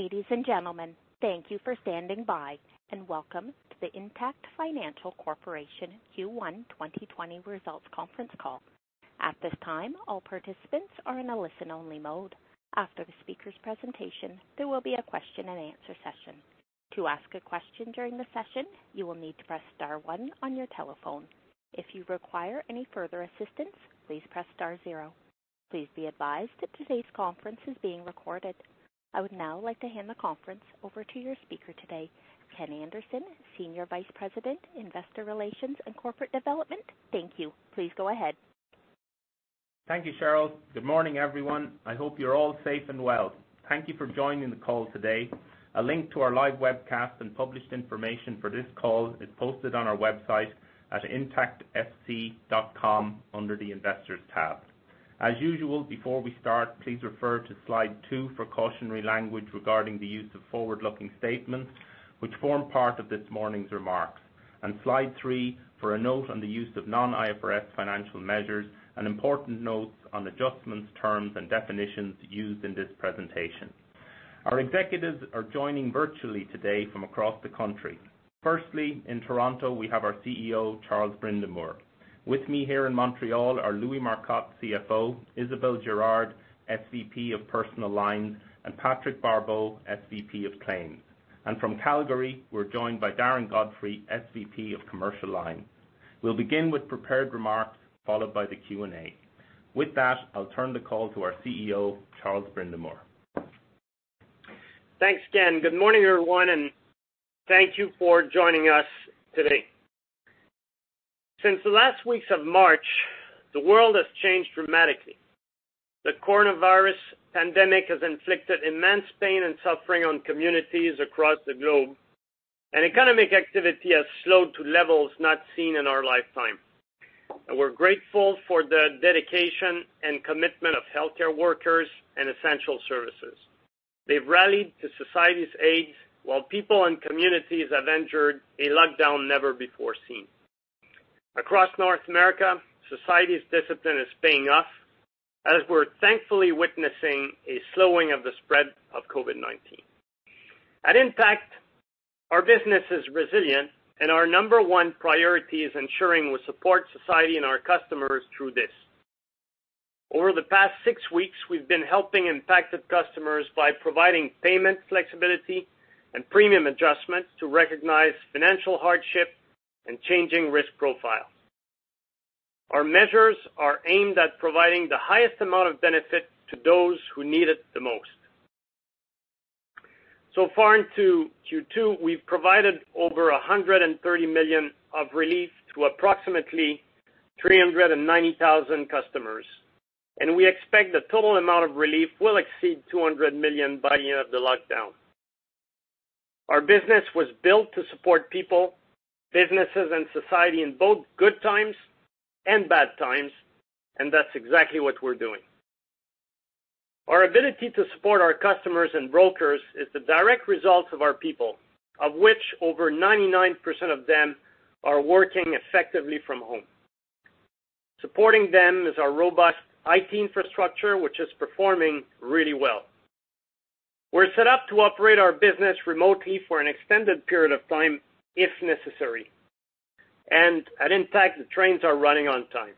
Ladies and gentlemen, thank you for standing by, and welcome to the Intact Financial Corporation Q1 2020 Results Conference Call. At this time, all participants are in a listen-only mode. After the speaker's presentation, there will be a question-and-answer session. To ask a question during the session, you will need to press star one on your telephone. If you require any further assistance, please press star zero. Please be advised that today's conference is being recorded. I would now like to hand the conference over to your speaker today, Ken Anderson, Senior Vice President, Investor Relations and Corporate Development. Thank you. Please go ahead. Thank you, Cheryl. Good morning, everyone. I hope you're all safe and well. Thank you for joining the call today. A link to our live webcast and published information for this call is posted on our website at intactfc.com under the Investors tab. As usual, before we start, please refer to slide two for cautionary language regarding the use of forward-looking statements, which form part of this morning's remarks, and slide three for a note on the use of non-IFRS financial measures and important notes on adjustments, terms, and definitions used in this presentation. Our executives are joining virtually today from across the country. Firstly, in Toronto, we have our CEO, Charles Brindamour. With me here in Montreal are Louis Marcotte, CFO, Isabelle Girard, SVP of Personal Lines, and Patrick Barbeau, SVP of Claims. From Calgary, we're joined by Darren Godfrey, SVP of Commercial Lines. We'll begin with prepared remarks, followed by the Q&A. With that, I'll turn the call to our CEO, Charles Brindamour. Thanks, Ken. Good morning, everyone, and thank you for joining us today. Since the last weeks of March, the world has changed dramatically. The coronavirus pandemic has inflicted immense pain and suffering on communities across the globe, and economic activity has slowed to levels not seen in our lifetime. We're grateful for the dedication and commitment of healthcare workers and essential services. They've rallied to society's aids while people and communities have endured a lockdown never before seen. Across North America, society's discipline is paying off as we're thankfully witnessing a slowing of the spread of COVID-19. At Intact, our business is resilient, and our number one priority is ensuring we support society and our customers through this. Over the past six weeks, we've been helping impacted customers by providing payment flexibility and premium adjustments to recognize financial hardship and changing risk profiles. Our measures are aimed at providing the highest amount of benefit to those who need it the most. Far into Q2, we've provided over 130 million of relief to approximately 390,000 customers, and we expect the total amount of relief will exceed 200 million by the end of the lockdown. Our business was built to support people, businesses, and society in both good times and bad times, and that's exactly what we're doing. Our ability to support our customers and brokers is the direct result of our people, of which over 99% of them are working effectively from home. Supporting them is our robust IT infrastructure, which is performing really well. We're set up to operate our business remotely for an extended period of time, if necessary, and at Intact, the trains are running on time.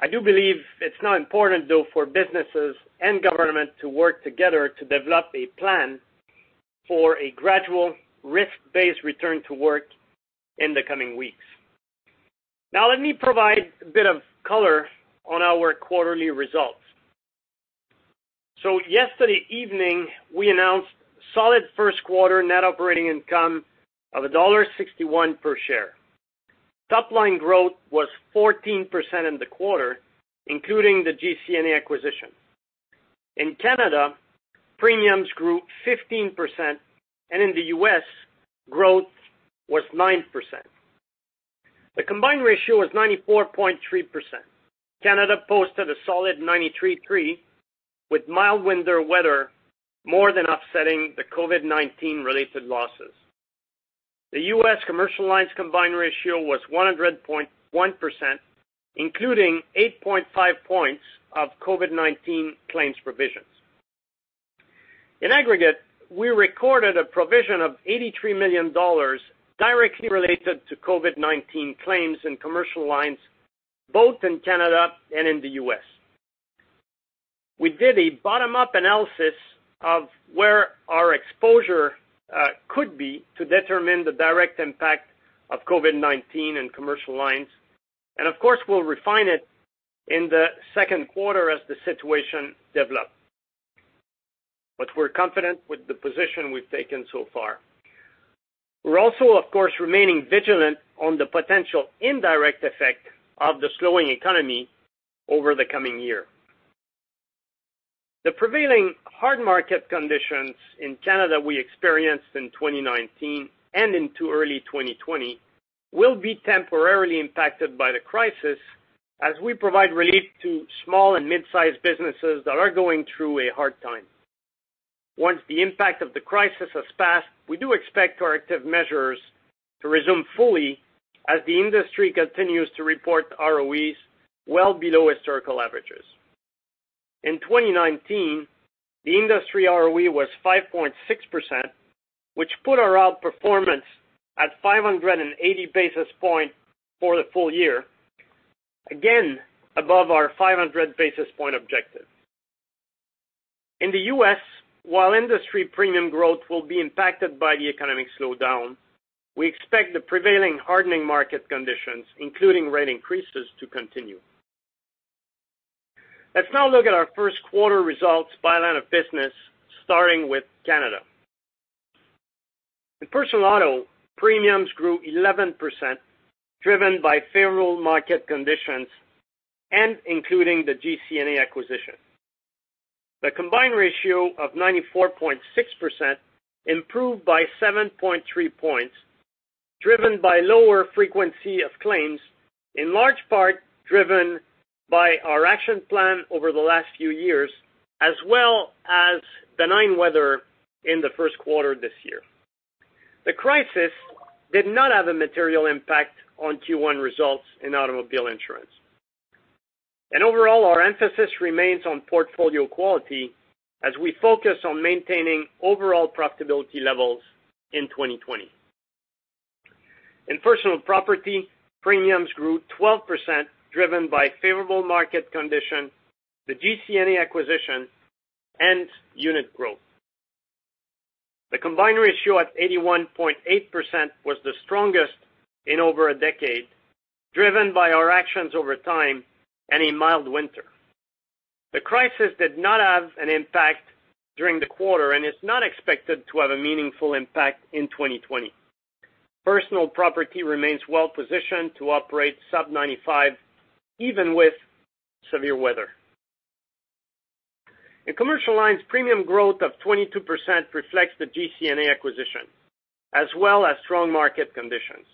I do believe it's now important, though, for businesses and government to work together to develop a plan for a gradual, risk-based return to work in the coming weeks. Now, let me provide a bit of color on our quarterly results. Yesterday evening, we announced solid first quarter net operating income of dollar 1.61 per share. Top-line growth was 14% in the quarter, including the GC&A acquisition. In Canada, premiums grew 15%, and in the U.S., growth was 9%. The combined ratio was 94.3%. Canada posted a solid 93.3%, with mild winter weather more than offsetting the COVID-19 related losses. The U.S. commercial lines combined ratio was 100.1%, including 8.5 points of COVID-19 claims provisions. In aggregate, we recorded a provision of 83 million dollars directly related to COVID-19 claims in commercial lines, both in Canada and in the U.S. We did a bottom-up analysis of where our exposure could be to determine the direct impact of COVID-19 in commercial lines, and of course, we'll refine it in the second quarter as the situation develops. We're confident with the position we've taken so far. We're also, of course, remaining vigilant on the potential indirect effect of the slowing economy over the coming year. The prevailing hard market conditions in Canada we experienced in 2019 and into early 2020 will be temporarily impacted by the crisis as we provide relief to small and mid-sized businesses that are going through a hard time. Once the impact of the crisis has passed, we do expect our active measures-... to resume fully as the industry continues to report ROEs well below historical averages. In 2019, the industry ROE was 5.6%, which put our outperformance at 580 basis points for the full year, again, above our 500 basis point objective. In the U.S., while industry premium growth will be impacted by the economic slowdown, we expect the prevailing hardening market conditions, including rate increases, to continue. Let's now look at our first quarter results by line of business, starting with Canada. In personal auto, premiums grew 11%, driven by favorable market conditions and including the GCNA acquisition. The combined ratio of 94.6% improved by 7.3 points, driven by lower frequency of claims, in large part driven by our action plan over the last few years, as well as benign weather in the first quarter this year. The crisis did not have a material impact on Q1 results in automobile insurance. Overall, our emphasis remains on portfolio quality as we focus on maintaining overall profitability levels in 2020. In personal property, premiums grew 12%, driven by favorable market condition, the GCNA acquisition, and unit growth. The combined ratio at 81.8% was the strongest in over a decade, driven by our actions over time and a mild winter. The crisis did not have an impact during the quarter and is not expected to have a meaningful impact in 2020. Personal property remains well positioned to operate sub 95, even with severe weather. In commercial lines, premium growth of 22% reflects the GCNA acquisition, as well as strong market conditions.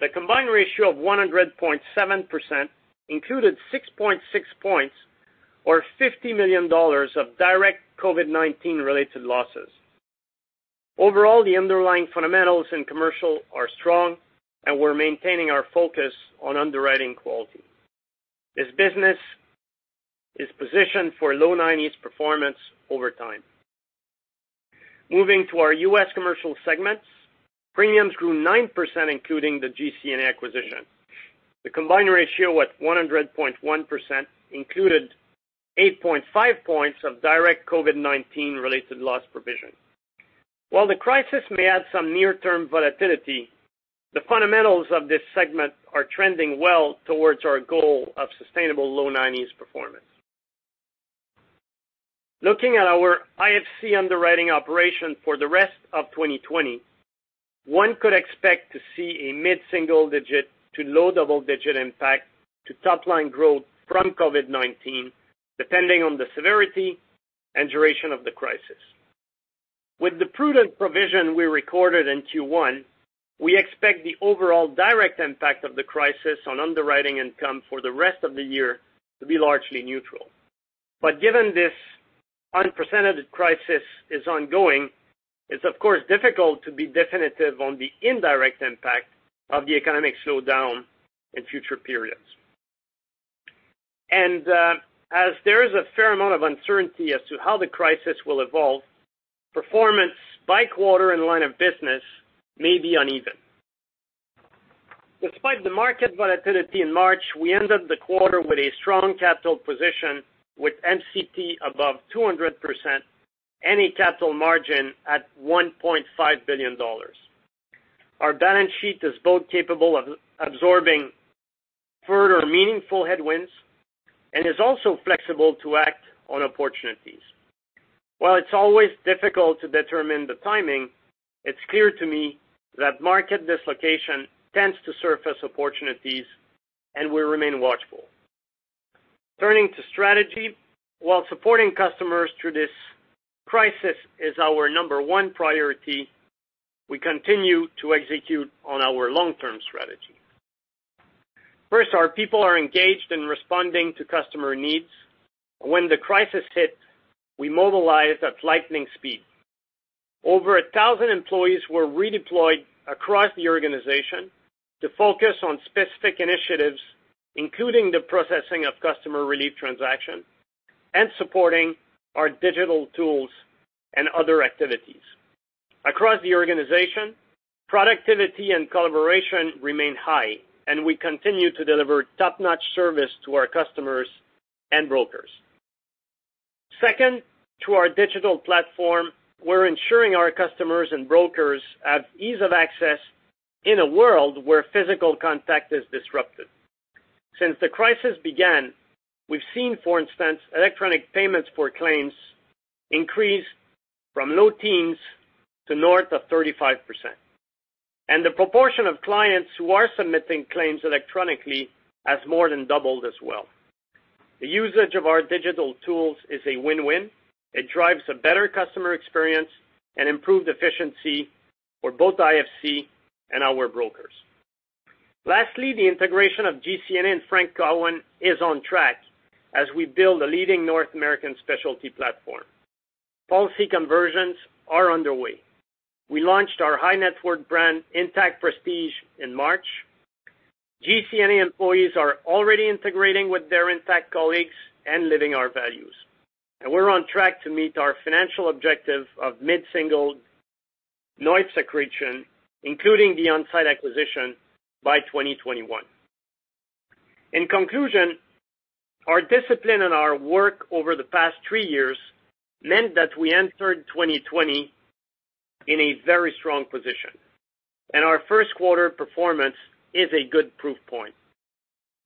The combined ratio of 100.7% included 6.6 points, or 50 million dollars of direct COVID-19 related losses. Overall, the underlying fundamentals in commercial are strong, and we're maintaining our focus on underwriting quality. This business is positioned for low nineties performance over time. Moving to our U.S. commercial segments, premiums grew 9%, including the GCNA acquisition. The combined ratio at 100.1% included 8.5 points of direct COVID-19 related loss provision. While the crisis may add some near-term volatility, the fundamentals of this segment are trending well towards our goal of sustainable low nineties performance. Looking at our IFC underwriting operation for the rest of 2020, one could expect to see a mid-single digit to low double-digit impact to top line growth from COVID-19, depending on the severity and duration of the crisis. With the prudent provision we recorded in Q1, we expect the overall direct impact of the crisis on underwriting income for the rest of the year to be largely neutral. Given this unprecedented crisis is ongoing, it's of course, difficult to be definitive on the indirect impact of the economic slowdown in future periods. As there is a fair amount of uncertainty as to how the crisis will evolve, performance by quarter and line of business may be uneven. Despite the market volatility in March, we ended the quarter with a strong capital position, with MCT above 200%, and a capital margin at 1.5 billion dollars. Our balance sheet is both capable of absorbing further meaningful headwinds and is also flexible to act on opportunities. While it's always difficult to determine the timing, it's clear to me that market dislocation tends to surface opportunities, and we remain watchful. Turning to strategy, while supporting customers through this crisis is our number one priority, we continue to execute on our long-term strategy. First, our people are engaged in responding to customer needs. When the crisis hit, we mobilized at lightning speed. Over 1,000 employees were redeployed across the organization to focus on specific initiatives, including the processing of customer relief transactions and supporting our digital tools and other activities. Across the organization, productivity and collaboration remain high, and we continue to deliver top-notch service to our customers and brokers. Second, to our digital platform, we're ensuring our customers and brokers have ease of access in a world where physical contact is disrupted. Since the crisis began, we've seen, for instance, electronic payments for claims increase from low teens to north of 35%, the proportion of clients who are submitting claims electronically has more than doubled as well. The usage of our digital tools is a win-win. It drives a better customer experience and improved efficiency for both IFC and our brokers. Lastly, the integration of GC&N and Frank Cowan is on track as we build a leading North American specialty platform. Policy conversions are underway. We launched our high net worth brand, Intact Prestige, in March. GC&A employees are already integrating with their Intact colleagues and living our values, and we're on track to meet our financial objective of mid-single NOIPS accretion, including the On-Side acquisition by 2021. In conclusion, our discipline and our work over the past three years meant that we entered 2020 in a very strong position, and our first quarter performance is a good proof point.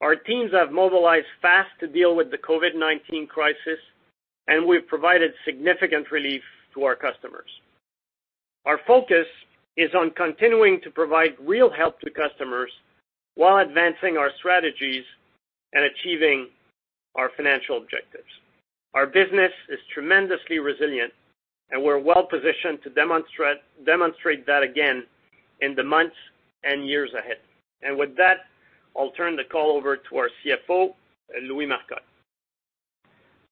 Our teams have mobilized fast to deal with the COVID-19 crisis, and we've provided significant relief to our customers. Our focus is on continuing to provide real help to customers while advancing our strategies and achieving our financial objectives. Our business is tremendously resilient, and we're well positioned to demonstrate that again in the months and years ahead. With that, I'll turn the call over to our CFO, Louis Marcotte.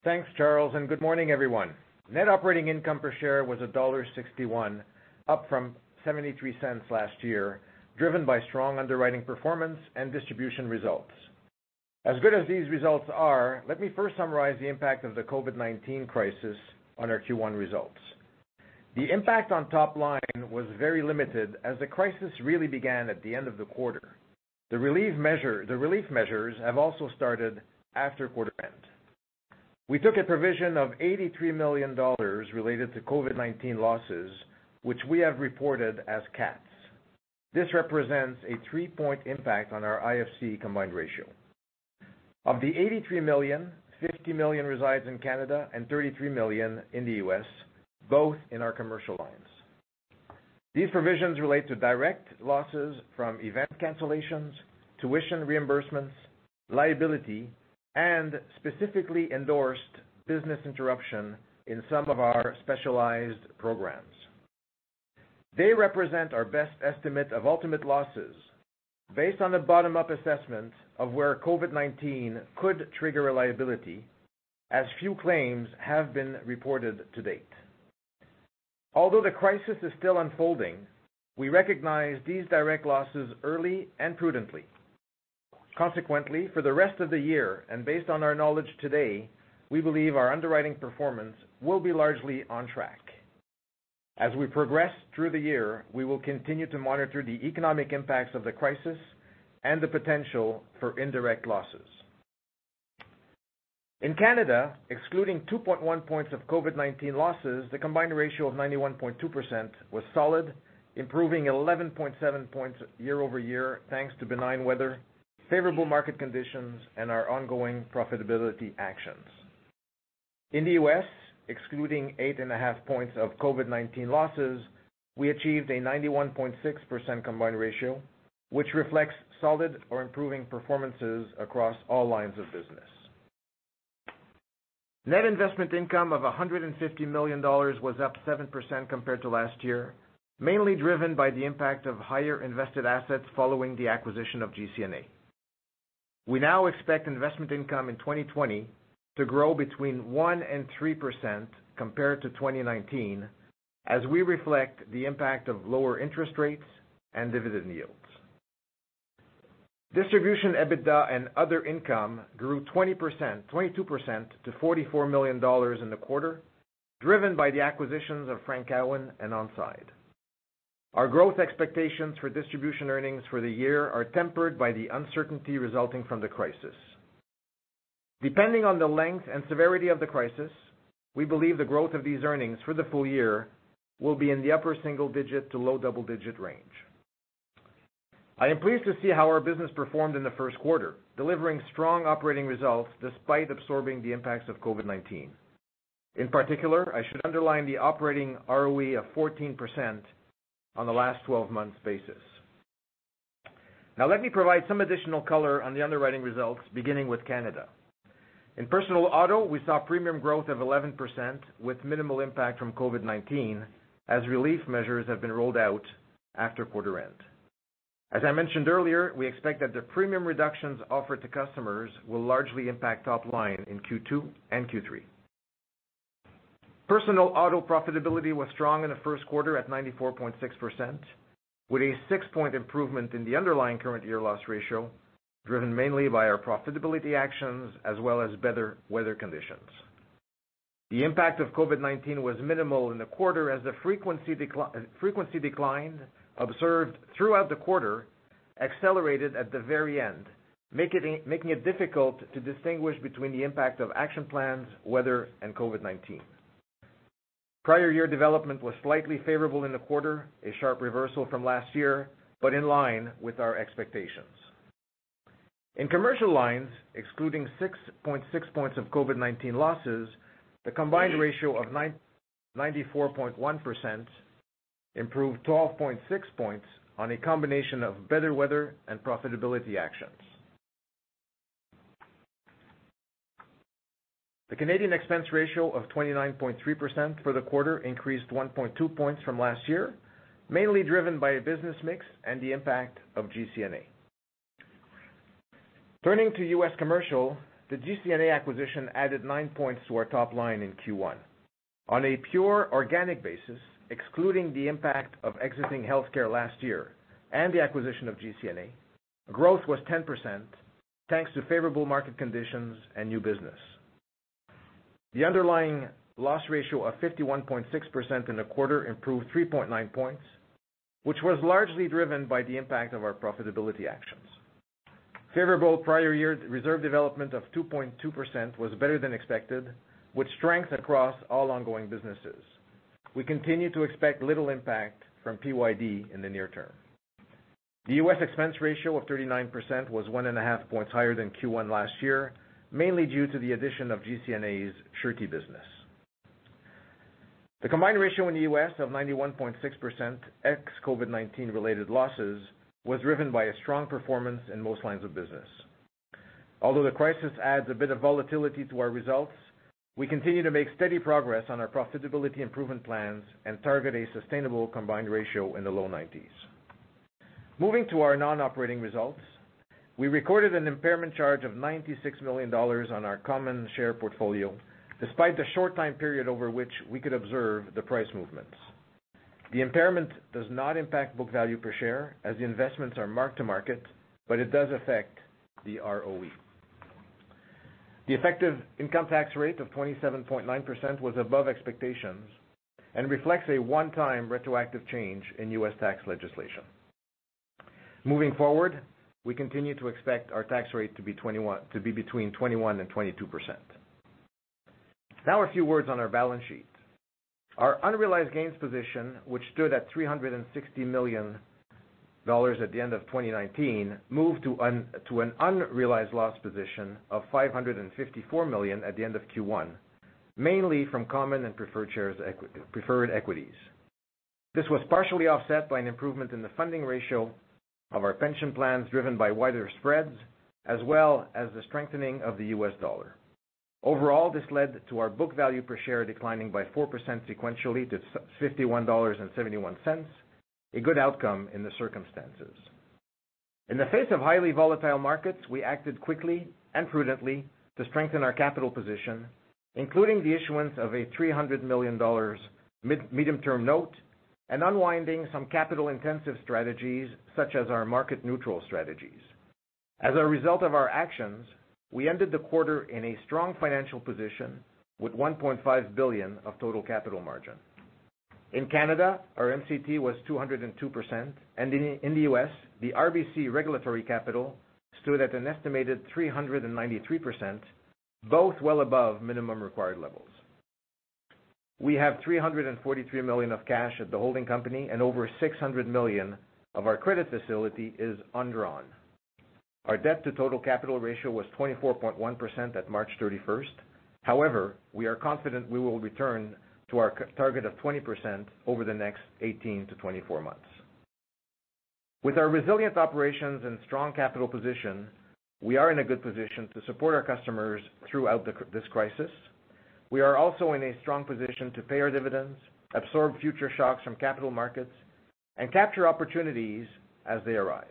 Thanks, Charles. Good morning, everyone. Net operating income per share was $1.61, up from $0.73 last year, driven by strong underwriting performance and distribution results. As good as these results are, let me first summarize the impact of the COVID-19 crisis on our Q1 results. The impact on top line was very limited, as the crisis really began at the end of the quarter. The relief measures have also started after quarter end. We took a provision of 83 million dollars related to COVID-19 losses, which we have reported as cats. This represents a 3-point impact on our IFC combined ratio. Of the 83 million, 50 million resides in Canada and 33 million in the U.S., both in our commercial lines. These provisions relate to direct losses from event cancellations, tuition reimbursements, liability, and specifically endorsed business interruption in some of our specialized programs. They represent our best estimate of ultimate losses based on a bottom-up assessment of where COVID-19 could trigger a liability, as few claims have been reported to date. Although the crisis is still unfolding, we recognize these direct losses early and prudently. For the rest of the year, and based on our knowledge today, we believe our underwriting performance will be largely on track. As we progress through the year, we will continue to monitor the economic impacts of the crisis and the potential for indirect losses. In Canada, excluding 2.1 points of COVID-19 losses, the combined ratio of 91.2% was solid, improving 11.7 points year-over-year, thanks to benign weather, favorable market conditions, and our ongoing profitability actions. In the U.S., excluding 8.5 points of COVID-19 losses, we achieved a 91.6% combined ratio, which reflects solid or improving performances across all lines of business. Net investment income of 150 million dollars was up 7% compared to last year, mainly driven by the impact of higher invested assets following the acquisition of GC&A. We now expect investment income in 2020 to grow between 1% and 3% compared to 2019, as we reflect the impact of lower interest rates and dividend yields. Distribution, EBITDA, and other income grew 22% to 44 million dollars in the quarter, driven by the acquisitions of Frank Cowan and On Side. Our growth expectations for distribution earnings for the year are tempered by the uncertainty resulting from the crisis. Depending on the length and severity of the crisis, we believe the growth of these earnings for the full year will be in the upper single-digit to low double-digit range. I am pleased to see how our business performed in the first quarter, delivering strong operating results despite absorbing the impacts of COVID-19. In particular, I should underline the operating ROE of 14% on the last 12 months basis. Let me provide some additional color on the underwriting results, beginning with Canada. In personal auto, we saw premium growth of 11%, with minimal impact from COVID-19, as relief measures have been rolled out after quarter end. As I mentioned earlier, we expect that the premium reductions offered to customers will largely impact top line in Q2 and Q3. Personal auto profitability was strong in the first quarter at 94.6%, with a six-point improvement in the underlying current year loss ratio, driven mainly by our profitability actions as well as better weather conditions. The impact of COVID-19 was minimal in the quarter as the frequency decline observed throughout the quarter accelerated at the very end, making it difficult to distinguish between the impact of action plans, weather, and COVID-19. Prior year development was slightly favorable in the quarter, a sharp reversal from last year, but in line with our expectations. In commercial lines, excluding 6.6 points of COVID-19 losses, the combined ratio of 94.1% improved 12.6 points on a combination of better weather and profitability actions. The Canadian expense ratio of 29.3% for the quarter increased 1.2 points from last year, mainly driven by a business mix and the impact of GC&A. To U.S. commercial, the GC&A acquisition added 9 points to our top line in Q1. On a pure organic basis, excluding the impact of exiting healthcare last year and the acquisition of GC&A, growth was 10%, thanks to favorable market conditions and new business. The underlying loss ratio of 51.6% in the quarter improved 3.9 points, which was largely driven by the impact of our profitability actions. Favorable prior year reserve development of 2.2% was better than expected, with strength across all ongoing businesses. We continue to expect little impact from PYD in the near term. The U.S. expense ratio of 39% was 1.5 points higher than Q1 last year, mainly due to the addition of GCNA's Surety business. The combined ratio in the U.S. of 91.6%, ex-COVID-19 related losses, was driven by a strong performance in most lines of business. Although the crisis adds a bit of volatility to our results, we continue to make steady progress on our profitability improvement plans and target a sustainable combined ratio in the low nineties. Moving to our non-operating results, we recorded an impairment charge of $96 million on our common share portfolio, despite the short time period over which we could observe the price movements. The impairment does not impact book value per share, as the investments are marked to market, but it does affect the ROE. The effective income tax rate of 27.9% was above expectations and reflects a one-time retroactive change in U.S. tax legislation. Moving forward, we continue to expect our tax rate to be between 21% and 22%. A few words on our balance sheet. Our unrealized gains position, which stood at $360 million at the end of 2019, moved to an unrealized loss position of $554 million at the end of Q1, mainly from common and preferred shares preferred equities. This was partially offset by an improvement in the funding ratio of our pension plans, driven by wider spreads, as well as the strengthening of the U.S. dollar. Overall, this led to our book value per share declining by 4% sequentially to 51.71 dollars, a good outcome in the circumstances. In the face of highly volatile markets, we acted quickly and prudently to strengthen our capital position, including the issuance of a 300 million dollars medium-term note, and unwinding some capital-intensive strategies, such as our market neutral strategies. We ended the quarter in a strong financial position with 1.5 billion of total capital margin. In Canada, our MCT was 202%, and in the U.S., the RBC regulatory capital stood at an estimated 393%, both well above minimum required levels. We have 343 million of cash at the holding company, and over 600 million of our credit facility is undrawn. Our debt to total capital ratio was 24.1% at March 31st. We are confident we will return to our target of 20% over the next 18-24 months. With our resilient operations and strong capital position, we are in a good position to support our customers throughout this crisis. We are also in a strong position to pay our dividends, absorb future shocks from capital markets, and capture opportunities as they arise.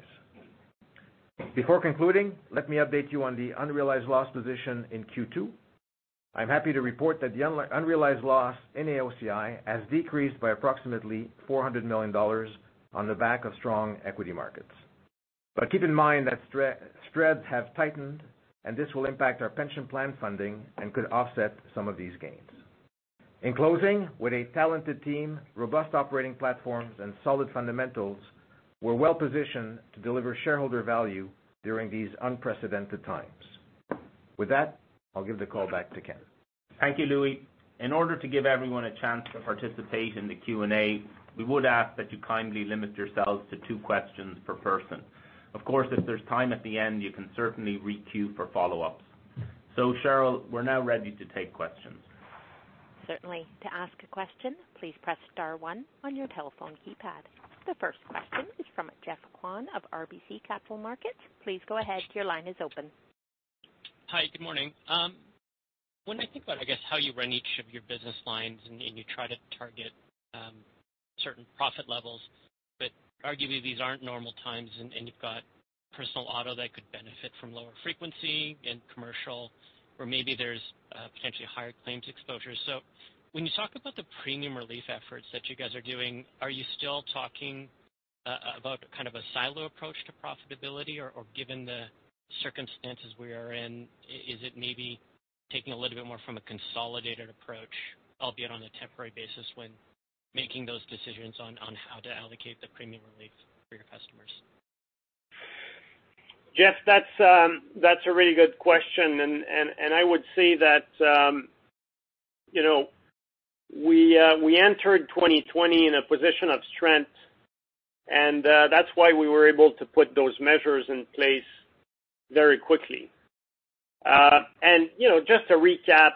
Before concluding, let me update you on the unrealized loss position in Q2. I'm happy to report that the unrealized loss in AOCI has decreased by approximately $400 million on the back of strong equity markets. Keep in mind that spreads have tightened, and this will impact our pension plan funding and could offset some of these gains. In closing, with a talented team, robust operating platforms, and solid fundamentals, we're well positioned to deliver shareholder value during these unprecedented times. With that, I'll give the call back to Ken. Thank you, Louis. In order to give everyone a chance to participate in the Q&A, we would ask that you kindly limit yourselves to two questions per person. Of course, if there's time at the end, you can certainly re-queue for follow-ups. Cheryl, we're now ready to take questions. Certainly. To ask a question, please press star one on your telephone keypad. The first question is from Geoffrey Kwan of RBC Capital Markets. Please go ahead, your line is open. Hi, good morning. When I think about, I guess, how you run each of your business lines and you try to target certain profit levels, but arguably, these aren't normal times, and you've got personal auto that could benefit from lower frequency and commercial, or maybe there's potentially higher claims exposure. When you talk about the premium relief efforts that you guys are doing, are you still talking about kind of a silo approach to profitability? Or given the circumstances we are in, is it maybe taking a little bit more from a consolidated approach, albeit on a temporary basis, when making those decisions on how to allocate the premium relief for your customers? Jeff, that's a really good question, and I would say that, you know, we entered 2020 in a position of strength, and that's why we were able to put those measures in place very quickly. You know, just to recap,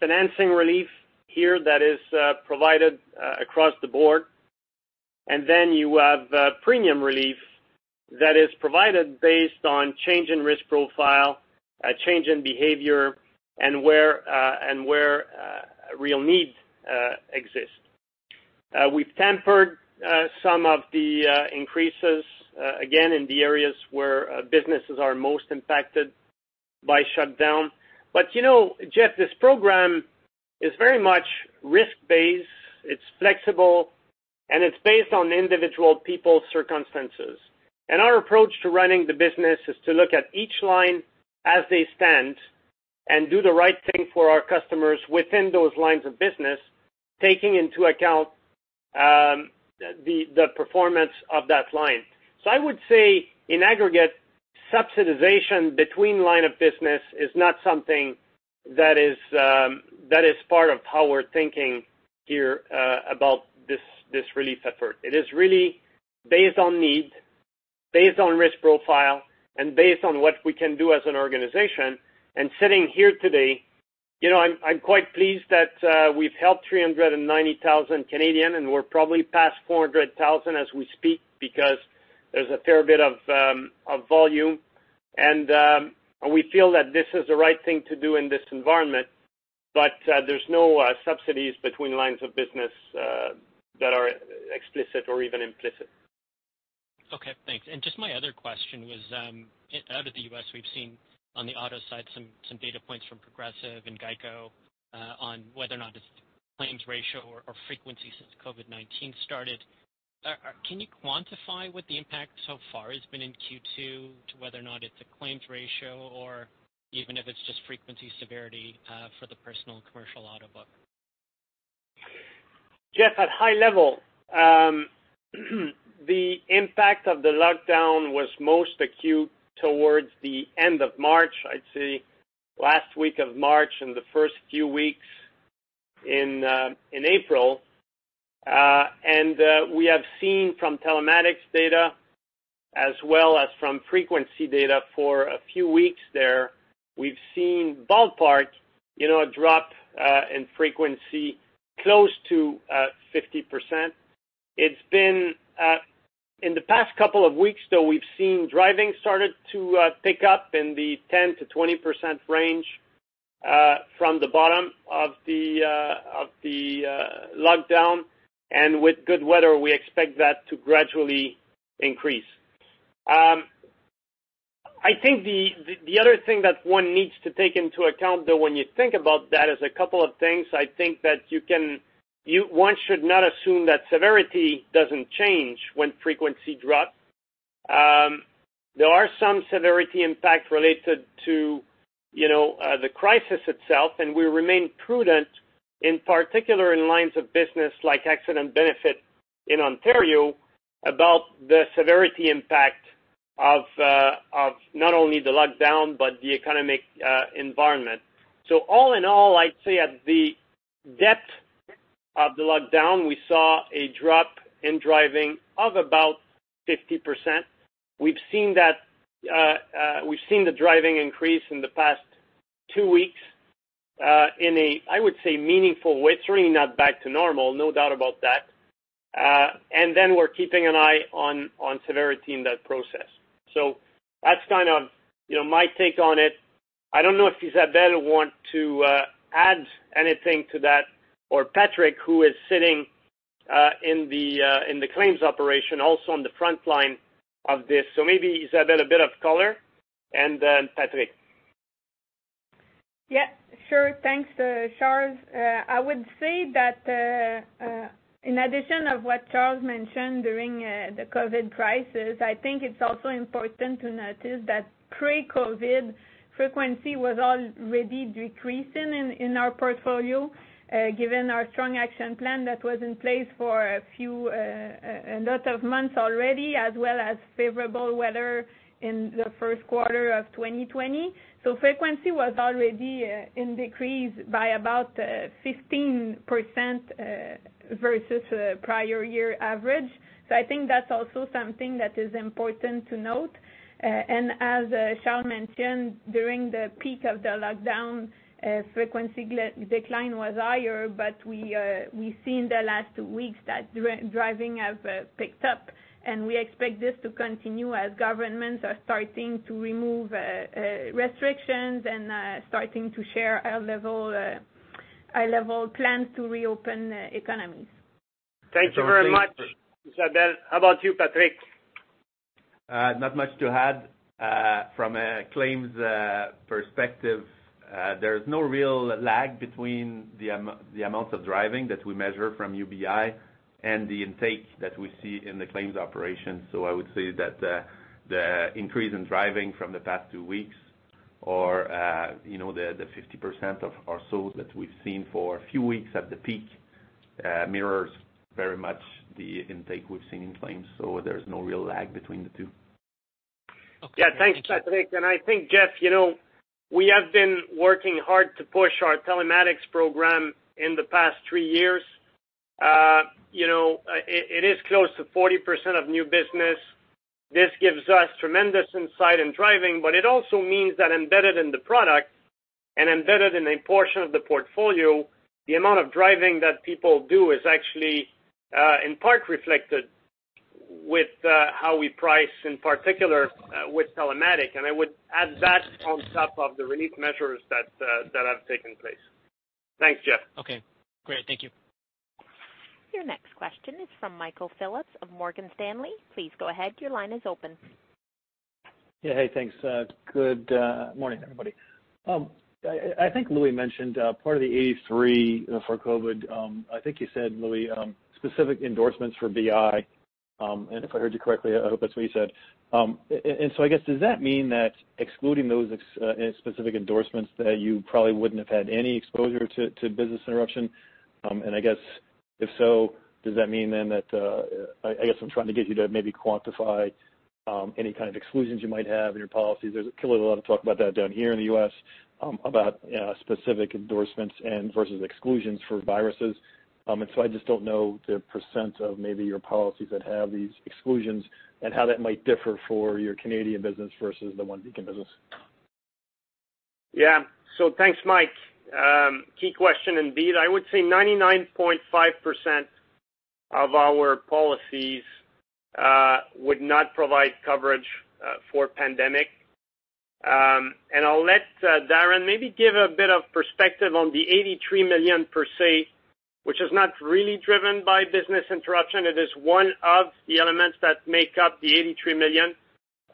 financing relief here that is provided across the board. You have premium relief that is provided based on change in risk profile, a change in behavior, and where, and where real needs exist. We've tempered some of the increases again, in the areas where businesses are most impacted by shutdown. You know, Jeff, this program is very much risk-based, it's flexible, and it's based on individual people's circumstances. Our approach to running the business is to look at each line as they stand and do the right thing for our customers within those lines of business, taking into account, the performance of that line. I would say in aggregate, subsidization between line of business is not something that is part of how we're thinking here, about this relief effort. It is really based on need, based on risk profile, and based on what we can do as an organization. Sitting here today, you know, I'm quite pleased that we've helped 390,000 Canadian, and we're probably past 400,000 as we speak, because there's a fair bit of volume. We feel that this is the right thing to do in this environment, but there's no subsidies between lines of business that are explicit or even implicit. Okay, thanks. Just my other question was, out of the U.S., we've seen on the auto side some data points from Progressive and Geico on whether or not it's claims ratio or frequency since COVID-19 started. Can you quantify what the impact so far has been in Q2 to whether or not it's a claims ratio or even if it's just frequency severity for the personal and commercial auto book? Jeff, at high level, the impact of the lockdown was most acute towards the end of March. I'd say last week of March and the first few weeks in April. We have seen from telematics data as well as from frequency data for a few weeks there, we've seen ballpark, you know, a drop in frequency close to 50%. It's been. In the past couple of weeks, though, we've seen driving started to pick up in the 10%-20% range, from the bottom of the lockdown, and with good weather, we expect that to gradually increase. I think the other thing that one needs to take into account, though, when you think about that, is a couple of things. I think that one should not assume that severity doesn't change when frequency drop. There are some severity impact related to, you know, the crisis itself, and we remain prudent, in particular in lines of business, like accident benefits in Ontario, about the severity impact of not only the lockdown, but the economic environment. All in all, I'd say at the depth of the lockdown, we saw a drop in driving of about 50%. We've seen the driving increase in the past two weeks, in a, I would say, meaningful way. It's really not back to normal, no doubt about that. Then we're keeping an eye on severity in that process. That's kind of, you know, my take on it. I don't know if Isabelle want to add anything to that, or Patrick, who is sitting in the claims operation, also on the front line of this. Maybe, Isabelle, a bit of color, and then Patrick. Yeah, sure. Thanks, Charles. I would say that, in addition of what Charles mentioned during the COVID crisis, I think it's also important to notice that pre-COVID frequency was already decreasing in our portfolio, given our strong action plan that was in place for a few, a lot of months already, as well as favorable weather in the first quarter of 2020. Frequency was already in decrease by about 15% versus prior year average. I think that's also something that is important to note. As Charles mentioned, during the peak of the lockdown, frequency decline was higher, but we've seen in the last two weeks that driving have picked up. we expect this to continue as governments are starting to remove restrictions and starting to share high-level, high-level plans to reopen economies. Thank you very much, Isabelle. How about you, Patrick? Not much to add. From a claims perspective, there's no real lag between the amount of driving that we measure from UBI and the intake that we see in the claims operations. I would say that the increase in driving from the past two weeks or, you know, the 50% of or so that we've seen for a few weeks at the peak, mirrors very much the intake we've seen in claims. There's no real lag between the two. Okay. Yeah, thanks, Patrick. I think, Jeff, you know, we have been working hard to push our telematics program in the past three years. It is close to 40% of new business. This gives us tremendous insight in driving, but it also means that embedded in the product and embedded in a portion of the portfolio, the amount of driving that people do is actually in part reflected with how we price, in particular, with telematics. I would add that on top of the relief measures that have taken place. Thanks, Jeff. Okay, great. Thank you. Your next question is from Michael Phillips of Morgan Stanley. Please go ahead. Your line is open. Yeah. Hey, thanks. Good morning, everybody. I think Louis mentioned part of the 83 for COVID, I think you said, Louis, specific endorsements for BI. If I heard you correctly, I hope that's what you said. I guess, does that mean that excluding those specific endorsements, that you probably wouldn't have had any exposure to business interruption? I guess, if so, does that mean then that I guess I'm trying to get you to maybe quantify any kind of exclusions you might have in your policies. There's clearly a lot of talk about that down here in the U.S., about specific endorsements and versus exclusions for viruses. I just don't know the % of maybe your policies that have these exclusions and how that might differ for your Canadian business versus the OneBeacon business. Yeah. Thanks, Mike. key question indeed. I would say 99.5% of our policies would not provide coverage for pandemic. I'll let Darren maybe give a bit of perspective on the 83 million per se, which is not really driven by business interruption. It is one of the elements that make up the 83 million.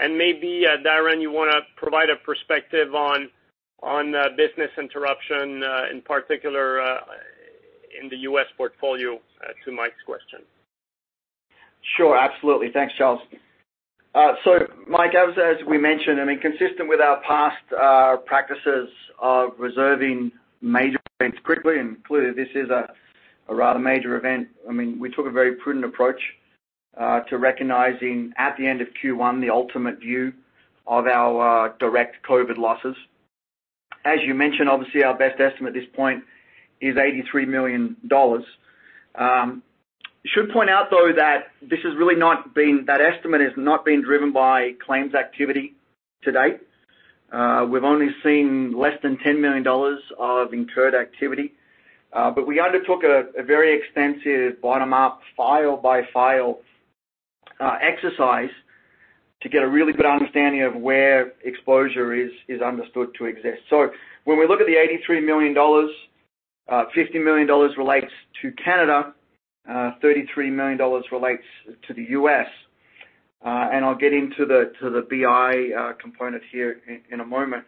Maybe Darren, you want to provide a perspective on business interruption, in particular, in the U.S. portfolio, to Mike's question. Sure. Absolutely. Thanks, Charles. Mike, as we mentioned, I mean, consistent with our past practices of reserving major events quickly, and clearly, this is a rather major event. I mean, we took a very prudent approach to recognizing at the end of Q1, the ultimate view of our direct COVID losses. As you mentioned, obviously, our best estimate at this point is 83 million dollars. Should point out, though, that this has really not been driven by claims activity to date. We've only seen less than 10 million dollars of incurred activity. We undertook a very extensive bottom-up, file-by-file exercise to get a really good understanding of where exposure is understood to exist. When we look at the 83 million dollars, 50 million dollars relates to Canada, $33 million relates to the U.S. And I'll get into the BI component here in a moment.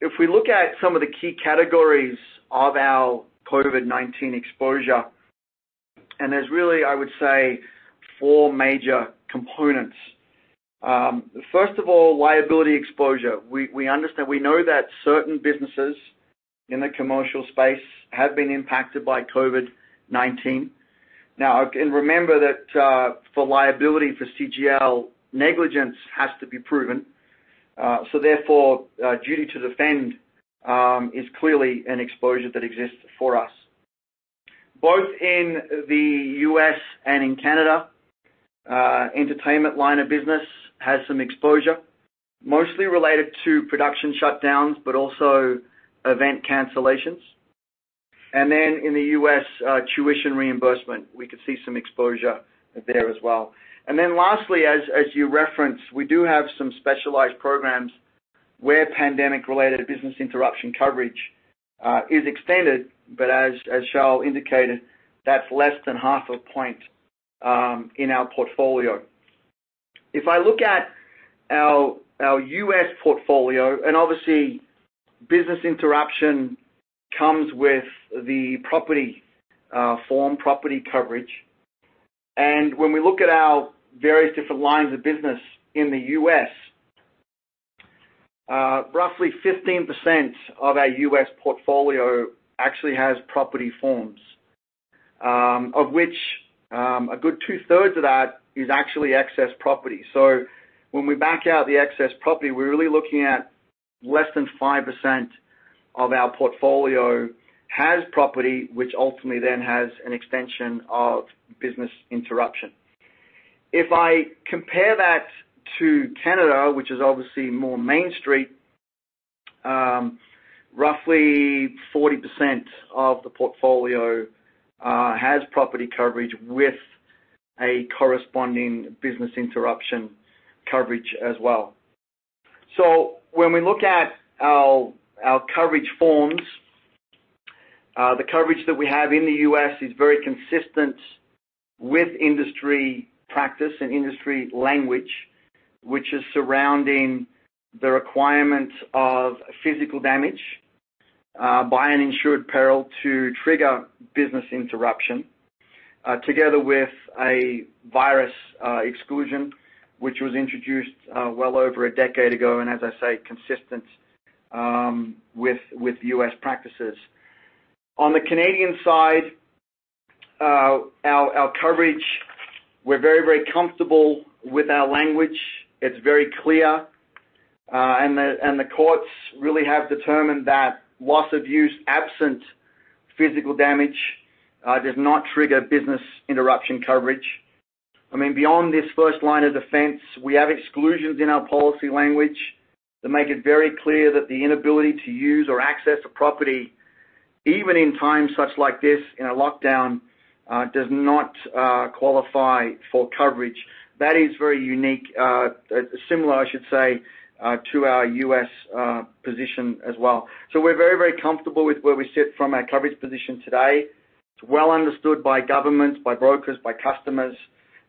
If we look at some of the key categories of our COVID-19 exposure, and there's really, I would say, four major components. First of all, liability exposure. We understand, we know that certain businesses in the commercial space have been impacted by COVID-19. Remember that for liability for CGL, negligence has to be proven, so therefore, duty to defend is clearly an exposure that exists for us. Both in the U.S. and in Canada, entertainment line of business has some exposure, mostly related to production shutdowns, but also event cancellations. In the US, tuition reimbursement, we could see some exposure there as well. Lastly, as you referenced, we do have some specialized programs where pandemic-related business interruption coverage is extended, but as Charles indicated, that's less than half a point in our portfolio. If I look at our U.S. portfolio, and obviously, business interruption comes with the property form, property coverage. When we look at our various different lines of business in the U.S., roughly 15% of our U.S. portfolio actually has property forms, of which a good two-thirds of that is actually excess property. When we back out the excess property, we're really looking at less than 5% of our portfolio has property, which ultimately then has an extension of business interruption. If I compare that to Canada, which is obviously more Main Street, roughly 40% of the portfolio has property coverage with a corresponding business interruption coverage as well. When we look at our coverage forms, the coverage that we have in the U.S. is very consistent with industry practice and industry language, which is surrounding the requirement of physical damage by an insured peril to trigger business interruption together with a virus exclusion, which was introduced well over a decade ago, and as I say, consistent with U.S. practices. On the Canadian side, we're very comfortable with our language. It's very clear, and the courts really have determined that loss of use, absent physical damage, does not trigger business interruption coverage. I mean, beyond this first line of defense, we have exclusions in our policy language that make it very clear that the inability to use or access a property, even in times such like this, in a lockdown, does not qualify for coverage. That is very unique, similar, I should say, to our U.S. position as well. We're very, very comfortable with where we sit from our coverage position today. It's well understood by governments, by brokers, by customers,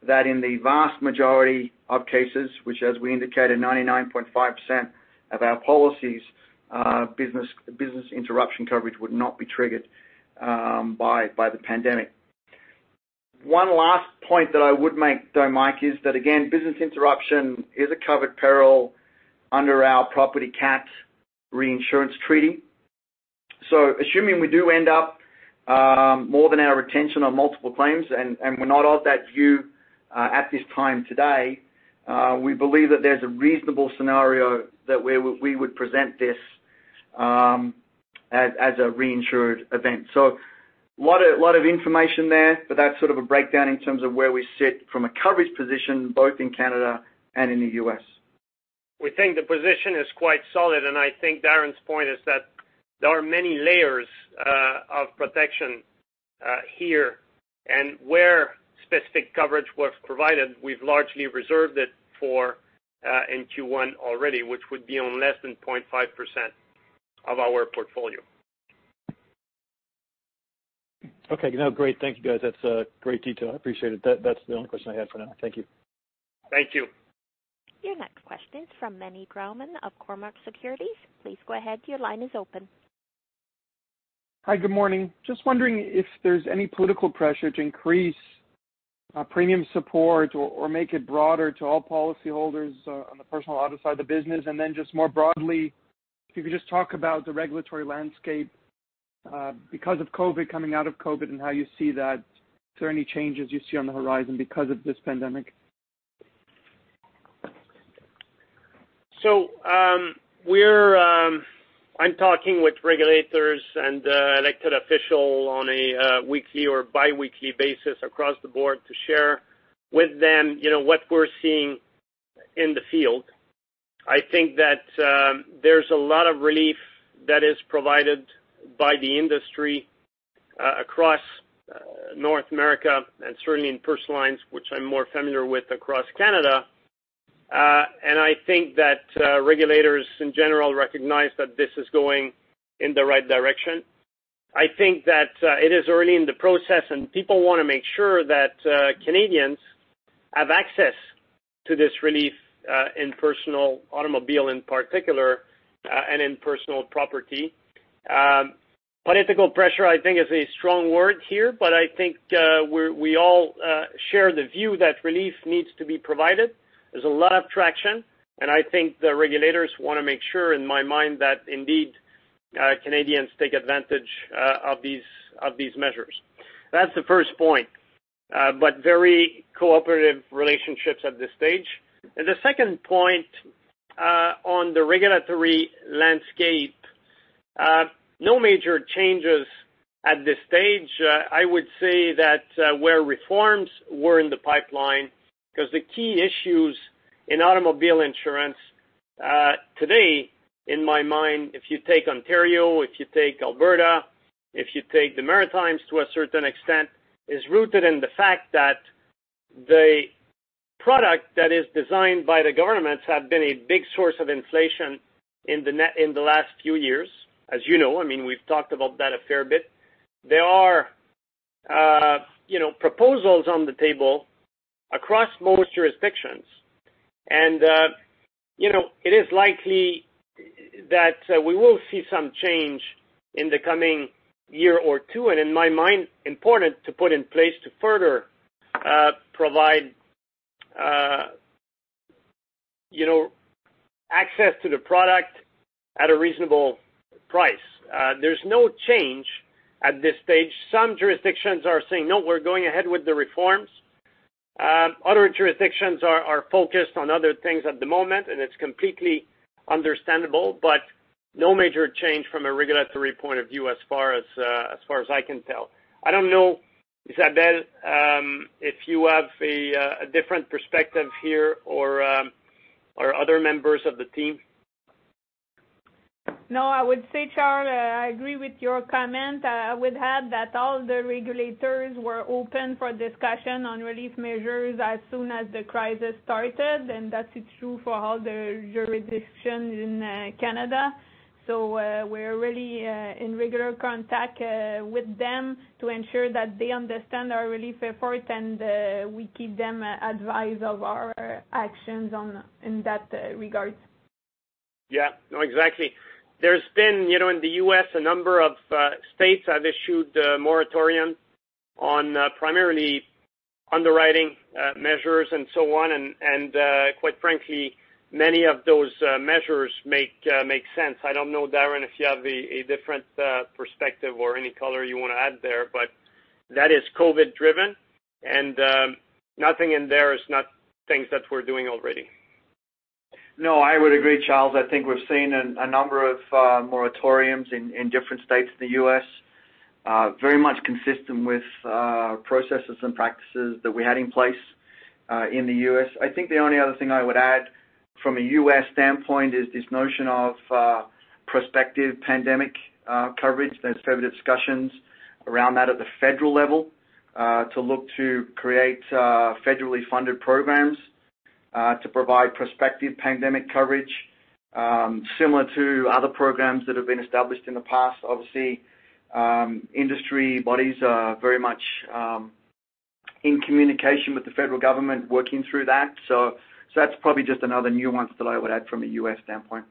that in the vast majority of cases, which as we indicated, 99.5% of our policies, business interruption coverage would not be triggered by the pandemic. One last point that I would make, though, Mike, is that, again, business interruption is a covered peril under our property cat reinsurance treaty. Assuming we do end up, more than our retention on multiple claims, and we're not of that view, at this time today, we believe that there's a reasonable scenario that we would present this as a reinsured event. A lot of information there, but that's sort of a breakdown in terms of where we sit from a coverage position, both in Canada and in the U.S. We think the position is quite solid, and I think Darren's point is that there are many layers of protection here. Where specific coverage was provided, we've largely reserved it for in Q1 already, which would be on less than 0.5% of our portfolio. Okay. No, great. Thank you, guys. That's great detail. I appreciate it. That's the only question I had for now. Thank you. Thank you. Your next question is from Meny Grauman of Cormark Securities. Please go ahead. Your line is open. Hi, good morning. Just wondering if there's any political pressure to increase premium support or make it broader to all policyholders on the personal auto side of the business? Then just more broadly, if you could just talk about the regulatory landscape because of COVID, coming out of COVID, and how you see that? Is there any changes you see on the horizon because of this pandemic? I'm talking with regulators and elected official on a weekly or biweekly basis across the board to share with them, you know, what we're seeing in the field. I think that there's a lot of relief that is provided by the industry across North America, and certainly in personal lines, which I'm more familiar with across Canada. I think that regulators in general recognize that this is going in the right direction. I think that it is early in the process, and people want to make sure that Canadians have access to this relief in personal automobile in particular, and in personal property. Political pressure, I think, is a strong word here, but I think we all share the view that relief needs to be provided. There's a lot of traction, and I think the regulators want to make sure, in my mind, that indeed, Canadians take advantage of these measures. That's the first point, but very cooperative relationships at this stage. The second point on the regulatory landscape, no major changes at this stage. I would say that where reforms were in the pipeline, because the key issues in automobile insurance today, in my mind, if you take Ontario, if you take Alberta, if you take the Maritimes to a certain extent, is rooted in the fact that the product that is designed by the governments have been a big source of inflation in the last few years, as you know. I mean, we've talked about that a fair bit. There are, you know, proposals on the table across most jurisdictions. You know, it is likely that we will see some change in the coming year or two, and in my mind, important to put in place to further provide, you know, access to the product at a reasonable price. There's no change at this stage. Some jurisdictions are saying, "No, we're going ahead with the reforms." Other jurisdictions are focused on other things at the moment, and it's completely understandable, but no major change from a regulatory point of view as far as I can tell. I don't know, Isabelle, if you have a different perspective here or other members of the team? I would say, Charles, I agree with your comment. I would add that all the regulators were open for discussion on relief measures as soon as the crisis started. That is true for all the jurisdictions in Canada. We're really in regular contact with them to ensure that they understand our relief effort. We keep them advised of our actions in that regards. Yeah. No, exactly. There's been, you know, in the U.S., a number of states have issued a moratorium on primarily underwriting measures and so on. Quite frankly, many of those measures make sense. I don't know, Darren, if you have a different perspective or any color you want to add there, but that is COVID driven. Nothing in there is not things that we're doing already. No, I would agree, Charles. I think we've seen a number of moratoriums in different states in the U.S., very much consistent with processes and practices that we had in place in the U.S. I think the only other thing I would add from a U.S. standpoint is this notion of prospective pandemic coverage. There's several discussions around that at the federal level to look to create federally funded programs to provide prospective pandemic coverage, similar to other programs that have been established in the past. Obviously, industry bodies are very much in communication with the federal government working through that. That's probably just another nuance that I would add from a U.S. standpoint.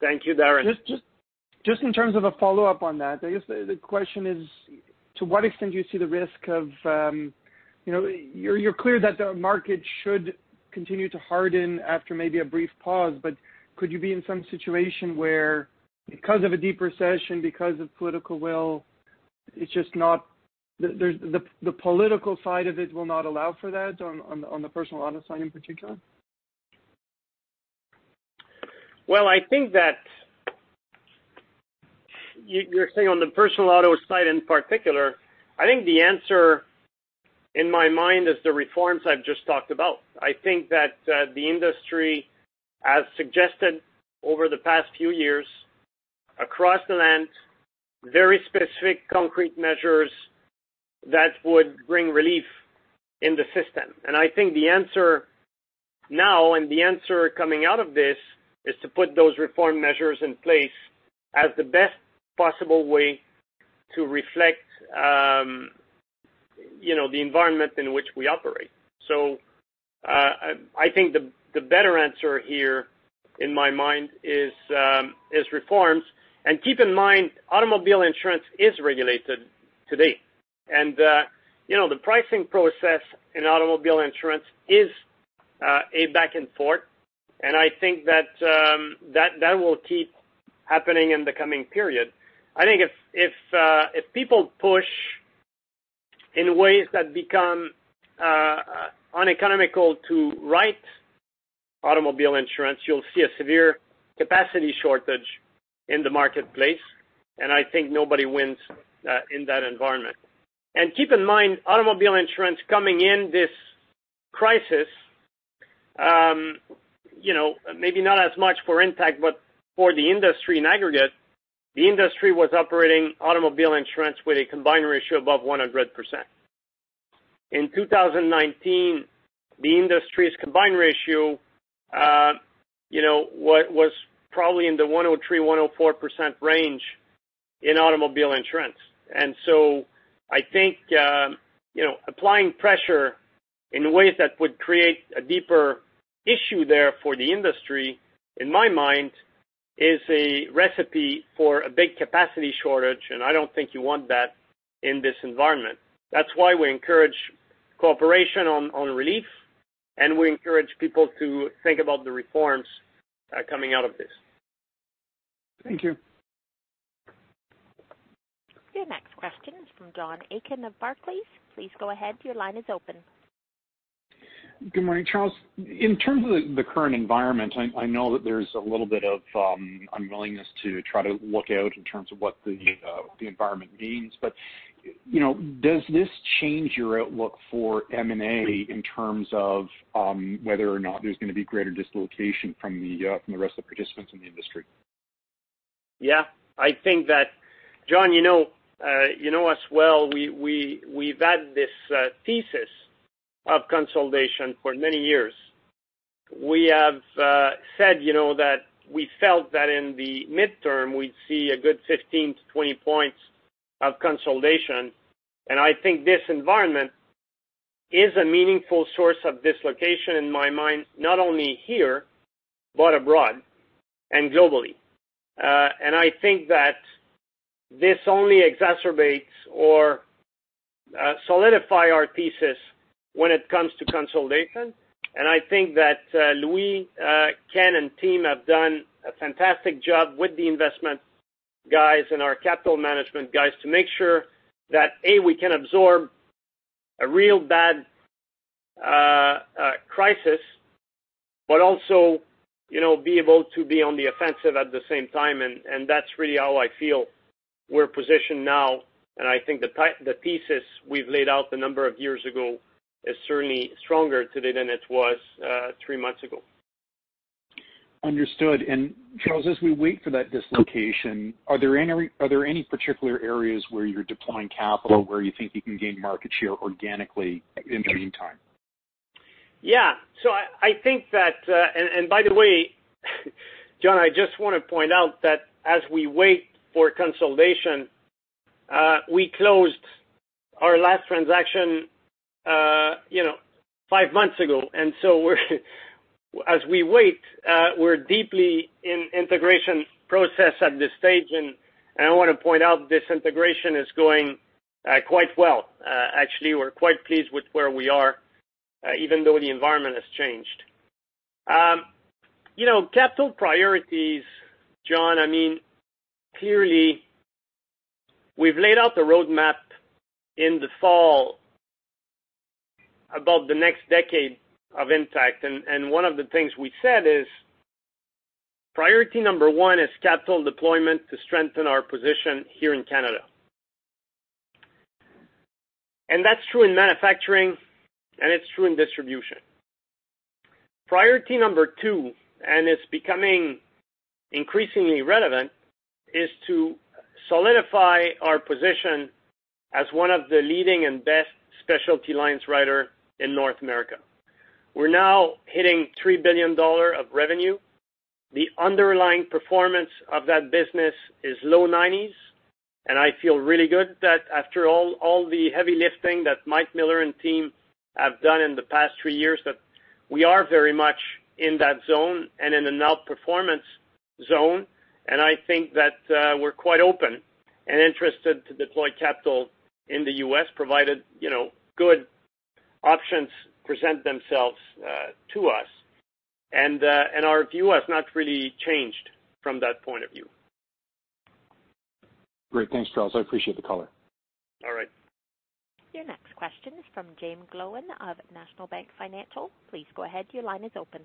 Thank you, Darren. Just in terms of a follow-up on that, I guess the question is, to what extent do you see the risk of, you know, you're clear that the market should continue to harden after maybe a brief pause, but could you be in some situation where, because of a deep recession, because of political will, it's just not the political side of it will not allow for that on the personal auto side in particular? Well, I think that you're saying on the personal auto side in particular, I think the answer in my mind is the reforms I've just talked about. I think that the industry has suggested over the past few years, across the land, very specific concrete measures that would bring relief in the system. I think the answer now, and the answer coming out of this, is to put those reform measures in place as the best possible way to reflect, you know, the environment in which we operate. I think the better answer here, in my mind, is reforms. Keep in mind, automobile insurance is regulated today. You know, the pricing process in automobile insurance is a back and forth, and I think that will keep happening in the coming period. I think if people push in ways that become uneconomical to write automobile insurance, you'll see a severe capacity shortage in the marketplace, and I think nobody wins in that environment. Keep in mind, automobile insurance coming in this crisis, you know, maybe not as much for Intact, but for the industry in aggregate, the industry was operating automobile insurance with a combined ratio above 100%. In 2019, the industry's combined ratio, you know, was probably in the 103%, 104% range in automobile insurance. I think, you know, applying pressure in ways that would create a deeper issue there for the industry, in my mind, is a recipe for a big capacity shortage, and I don't think you want that in this environment. That's why we encourage cooperation on relief, and we encourage people to think about the reforms, coming out of this. Thank you. Your next question is from John Aiken of Barclays. Please go ahead. Your line is open. Good morning, Charles. In terms of the current environment, I know that there's a little bit of unwillingness to try to look out in terms of what the environment means. You know, does this change your outlook for M&A in terms of whether or not there's gonna be greater dislocation from the rest of the participants in the industry? Yeah, I think that, John, you know, you know us well. We've had this thesis of consolidation for many years. We have said, you know, that we felt that in the midterm, we'd see a good 15-20 points of consolidation. I think this environment is a meaningful source of dislocation in my mind, not only here, but abroad and globally. I think that this only exacerbates or solidify our thesis when it comes to consolidation. I think that, Louis, Ken, and team have done a fantastic job with the investment guys and our capital management guys to make sure that, A, we can absorb a real bad crisis, but also, you know, be able to be on the offensive at the same time, and that's really how I feel we're positioned now. I think the thesis we've laid out a number of years ago is certainly stronger today than it was, three months ago. Understood. Charles, as we wait for that dislocation, are there any particular areas where you're deploying capital, where you think you can gain market share organically in the meantime? Yeah. I think that. By the way, John, I just want to point out that as we wait for consolidation, we closed our last transaction, you know, five months ago. We're, as we wait, we're deeply in integration process at this stage, and I want to point out this integration is going quite well. Actually, we're quite pleased with where we are, even though the environment has changed. You know, capital priorities, John, I mean, clearly. We've laid out the roadmap in the fall about the next decade of Intact, and one of the things we said is, priority number one is capital deployment to strengthen our position here in Canada. That's true in manufacturing, and it's true in distribution. Priority number two, it's becoming increasingly relevant, is to solidify our position as one of the leading and best specialty lines writer in North America. We're now hitting 3 billion dollar of revenue. The underlying performance of that business is low nineties, I feel really good that after all the heavy lifting that Mike Miller and team have done in the past three years, that we are very much in that zone and in an outperformance zone. I think that we're quite open and interested to deploy capital in the U.S., provided, you know, good options present themselves to us. Our view has not really changed from that point of view. Great. Thanks, Charles. I appreciate the color. All right. Your next question is from Jaeme Gloyn of National Bank Financial. Please go ahead. Your line is open.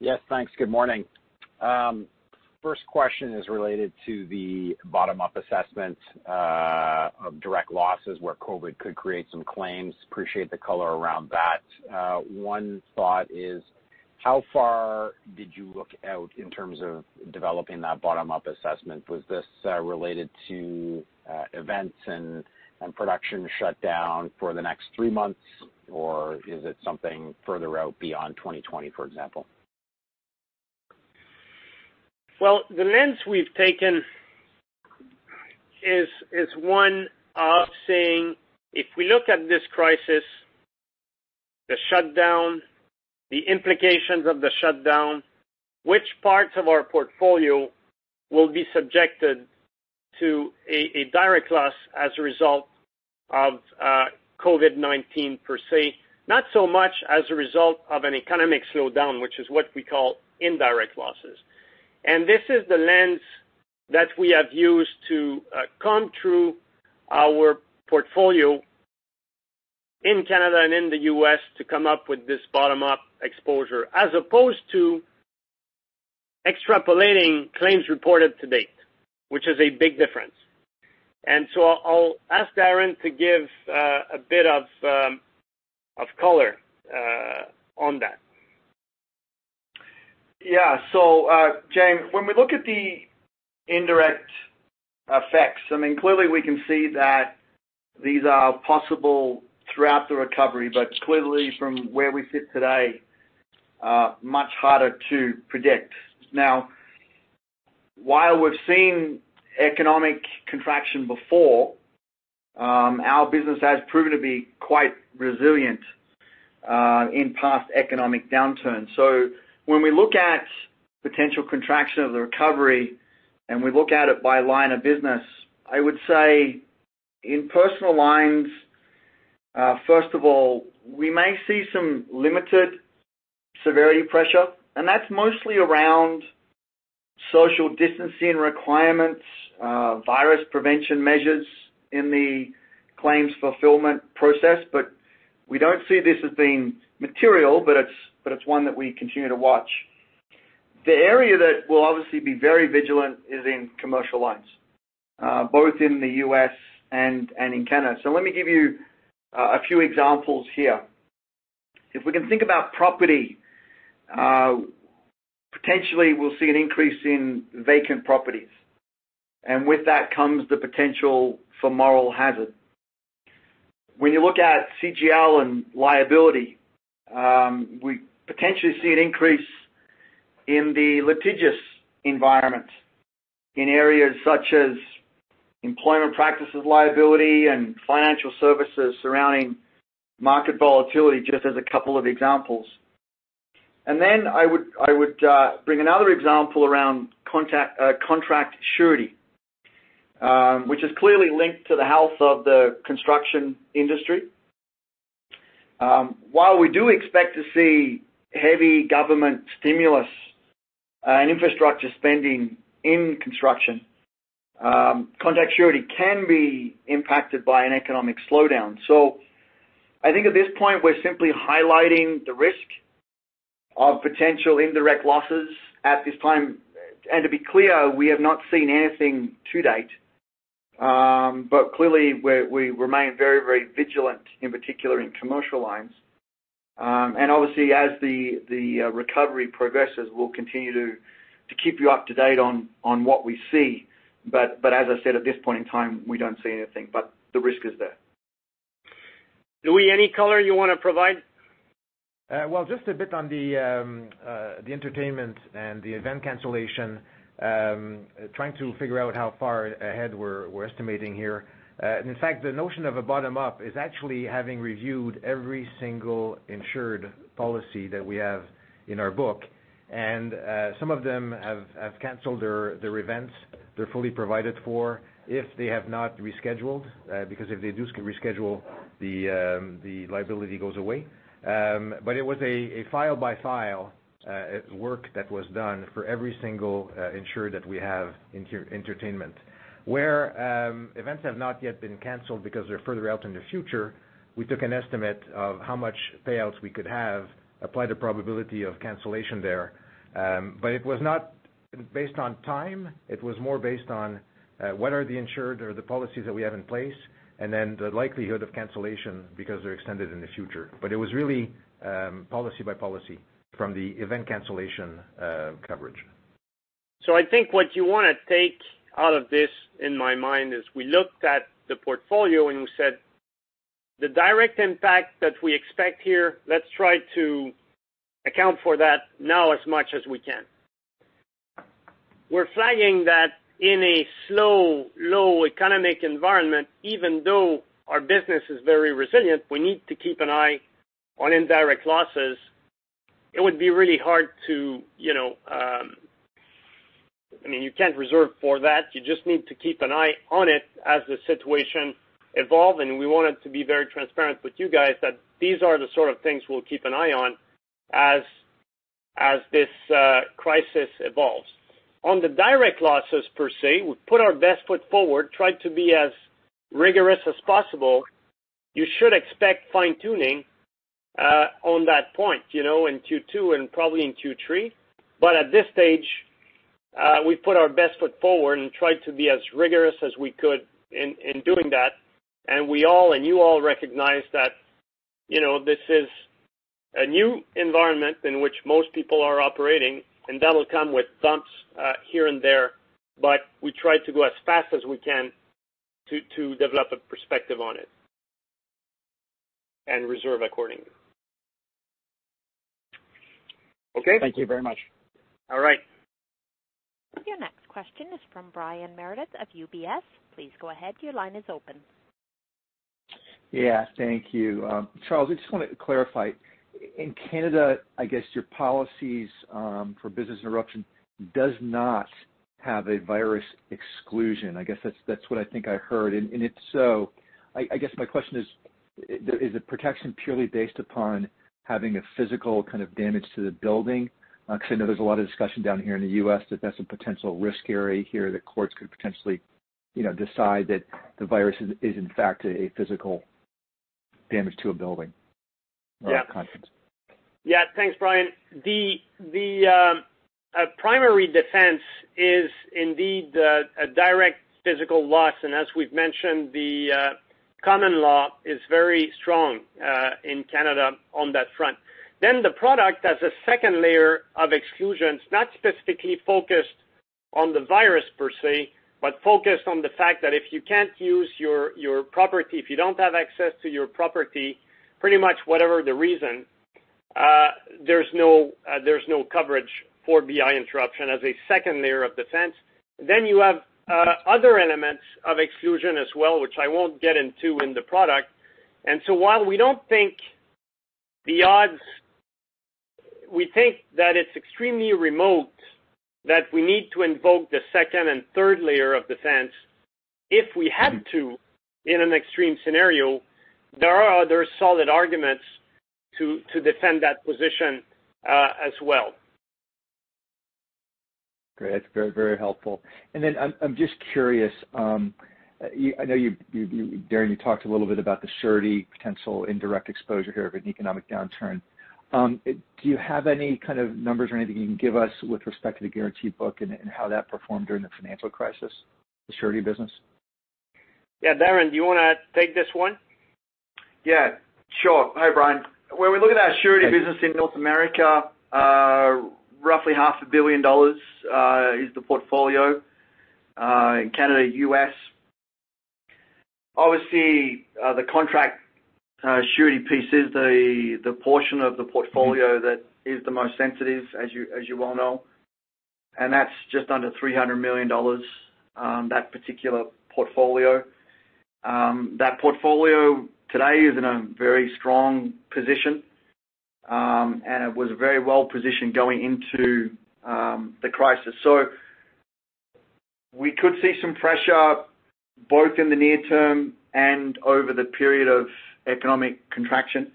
Yes, thanks. Good morning. First question is related to the bottom-up assessment of direct losses, where COVID could create some claims. Appreciate the color around that. One thought is, how far did you look out in terms of developing that bottom-up assessment? Was this related to events and production shutdown for the next three months, or is it something further out beyond 2020, for example? Well, the lens we've taken is one of saying, if we look at this crisis, the shutdown, the implications of the shutdown, which parts of our portfolio will be subjected to a direct loss as a result of COVID-19 per se? Not so much as a result of an economic slowdown, which is what we call indirect losses. This is the lens that we have used to comb through our portfolio in Canada and in the U.S. to come up with this bottom-up exposure, as opposed to extrapolating claims reported to date, which is a big difference. I'll ask Darren to give a bit of color on that. Jaeme, when we look at the indirect effects, I mean, clearly we can see that these are possible throughout the recovery, clearly from where we sit today, much harder to predict. Now, while we've seen economic contraction before, our business has proven to be quite resilient in past economic downturns. When we look at potential contraction of the recovery, and we look at it by line of business, I would say in personal lines, first of all, we may see some limited severity pressure, and that's mostly around social distancing requirements, virus prevention measures in the claims fulfillment process. We don't see this as being material, but it's one that we continue to watch. The area that we'll obviously be very vigilant is in commercial lines, both in the U.S. and in Canada. Let me give you a few examples here. If we can think about property, potentially we'll see an increase in vacant properties, and with that comes the potential for moral hazard. When you look at CGL and liability, we potentially see an increase in the litigious environment in areas such as employment practices, liability, and financial services surrounding market volatility, just as a couple of examples. I would, I would bring another example around contract Surety, which is clearly linked to the health of the construction industry. While we do expect to see heavy government stimulus and infrastructure spending in construction, contract Surety can be impacted by an economic slowdown. I think at this point, we're simply highlighting the risk of potential indirect losses at this time. To be clear, we have not seen anything to date, clearly, we remain very, very vigilant, in particular in commercial lines. Obviously, as the recovery progresses, we'll continue to keep you up to date on what we see. As I said, at this point in time, we don't see anything, but the risk is there. Louis, any color you want to provide? Well, just a bit on the entertainment and the event cancellation, trying to figure out how far ahead we're estimating here. In fact, the notion of a bottom-up is actually having reviewed every single insured policy that we have in our book, and some of them have canceled their events. They're fully provided for, if they have not rescheduled, because if they do reschedule, the liability goes away. It was a file-by-file work that was done for every single insurer that we have in entertainment. Where events have not yet been canceled because they're further out in the future, we took an estimate of how much payouts we could have, apply the probability of cancellation there.... based on time, it was more based on what are the insured or the policies that we have in place, and then the likelihood of cancellation because they're extended in the future. It was really policy by policy from the event cancellation coverage. I think what you want to take out of this, in my mind, is we looked at the portfolio and we said, the direct impact that we expect here, let's try to account for that now as much as we can. We're flagging that in a slow, low economic environment, even though our business is very resilient, we need to keep an eye on indirect losses. It would be really hard to, you know, I mean, you can't reserve for that. You just need to keep an eye on it as the situation evolves, and we wanted to be very transparent with you guys that these are the sort of things we'll keep an eye on as this crisis evolves. On the direct losses per se, we put our best foot forward, tried to be as rigorous as possible. You should expect fine-tuning, you know, on that point, in Q2 and probably in Q3. At this stage, we put our best foot forward and tried to be as rigorous as we could in doing that. We all, and you all recognize that, you know, this is a new environment in which most people are operating, and that will come with bumps here and there, but we try to go as fast as we can to develop a perspective on it and reserve accordingly. Okay? Thank you very much. All right. Your next question is from Brian Meredith of UBS. Please go ahead. Your line is open. Yeah, thank you. Charles, I just want to clarify. In Canada, I guess your policies for business interruption does not have a virus exclusion. I guess that's what I think I heard, and if so, I guess my question is the protection purely based upon having a physical kind of damage to the building? Because I know there's a lot of discussion down here in the U.S. that that's a potential risk area here, that courts could potentially, you know, decide that the virus is, in fact, a physical damage to a building or a conference. Yeah. Thanks, Brian. The, the primary defense is indeed a direct physical loss, and as we've mentioned, the common law is very strong in Canada on that front. The product has a second layer of exclusions, not specifically focused on the virus per se, but focused on the fact that if you can't use your property, if you don't have access to your property, pretty much whatever the reason, there's no, there's no coverage for BI interruption as a second layer of defense. You have other elements of exclusion as well, which I won't get into in the product. While we don't think the odds, we think that it's extremely remote, that we need to invoke the second and third layer of defense. If we had to, in an extreme scenario, there are other solid arguments to defend that position, as well. Great. That's very, very helpful. Then I'm just curious, I know you, Darren, you talked a little bit about the Surety potential indirect exposure here of an economic downturn. Do you have any kind of numbers or anything you can give us with respect to the guarantee book and how that performed during the financial crisis, the Surety business? Yeah. Darren, do you want to take this one? Sure. Hi, Brian. When we look at our Surety business in North America, roughly half a billion dollars is the portfolio in Canada, U.S. Obviously, the contract Surety piece is the portion of the portfolio that is the most sensitive, as you well know, and that's just under $300 million, that particular portfolio. That portfolio today is in a very strong position, and it was very well positioned going into the crisis. We could see some pressure both in the near term and over the period of economic contraction,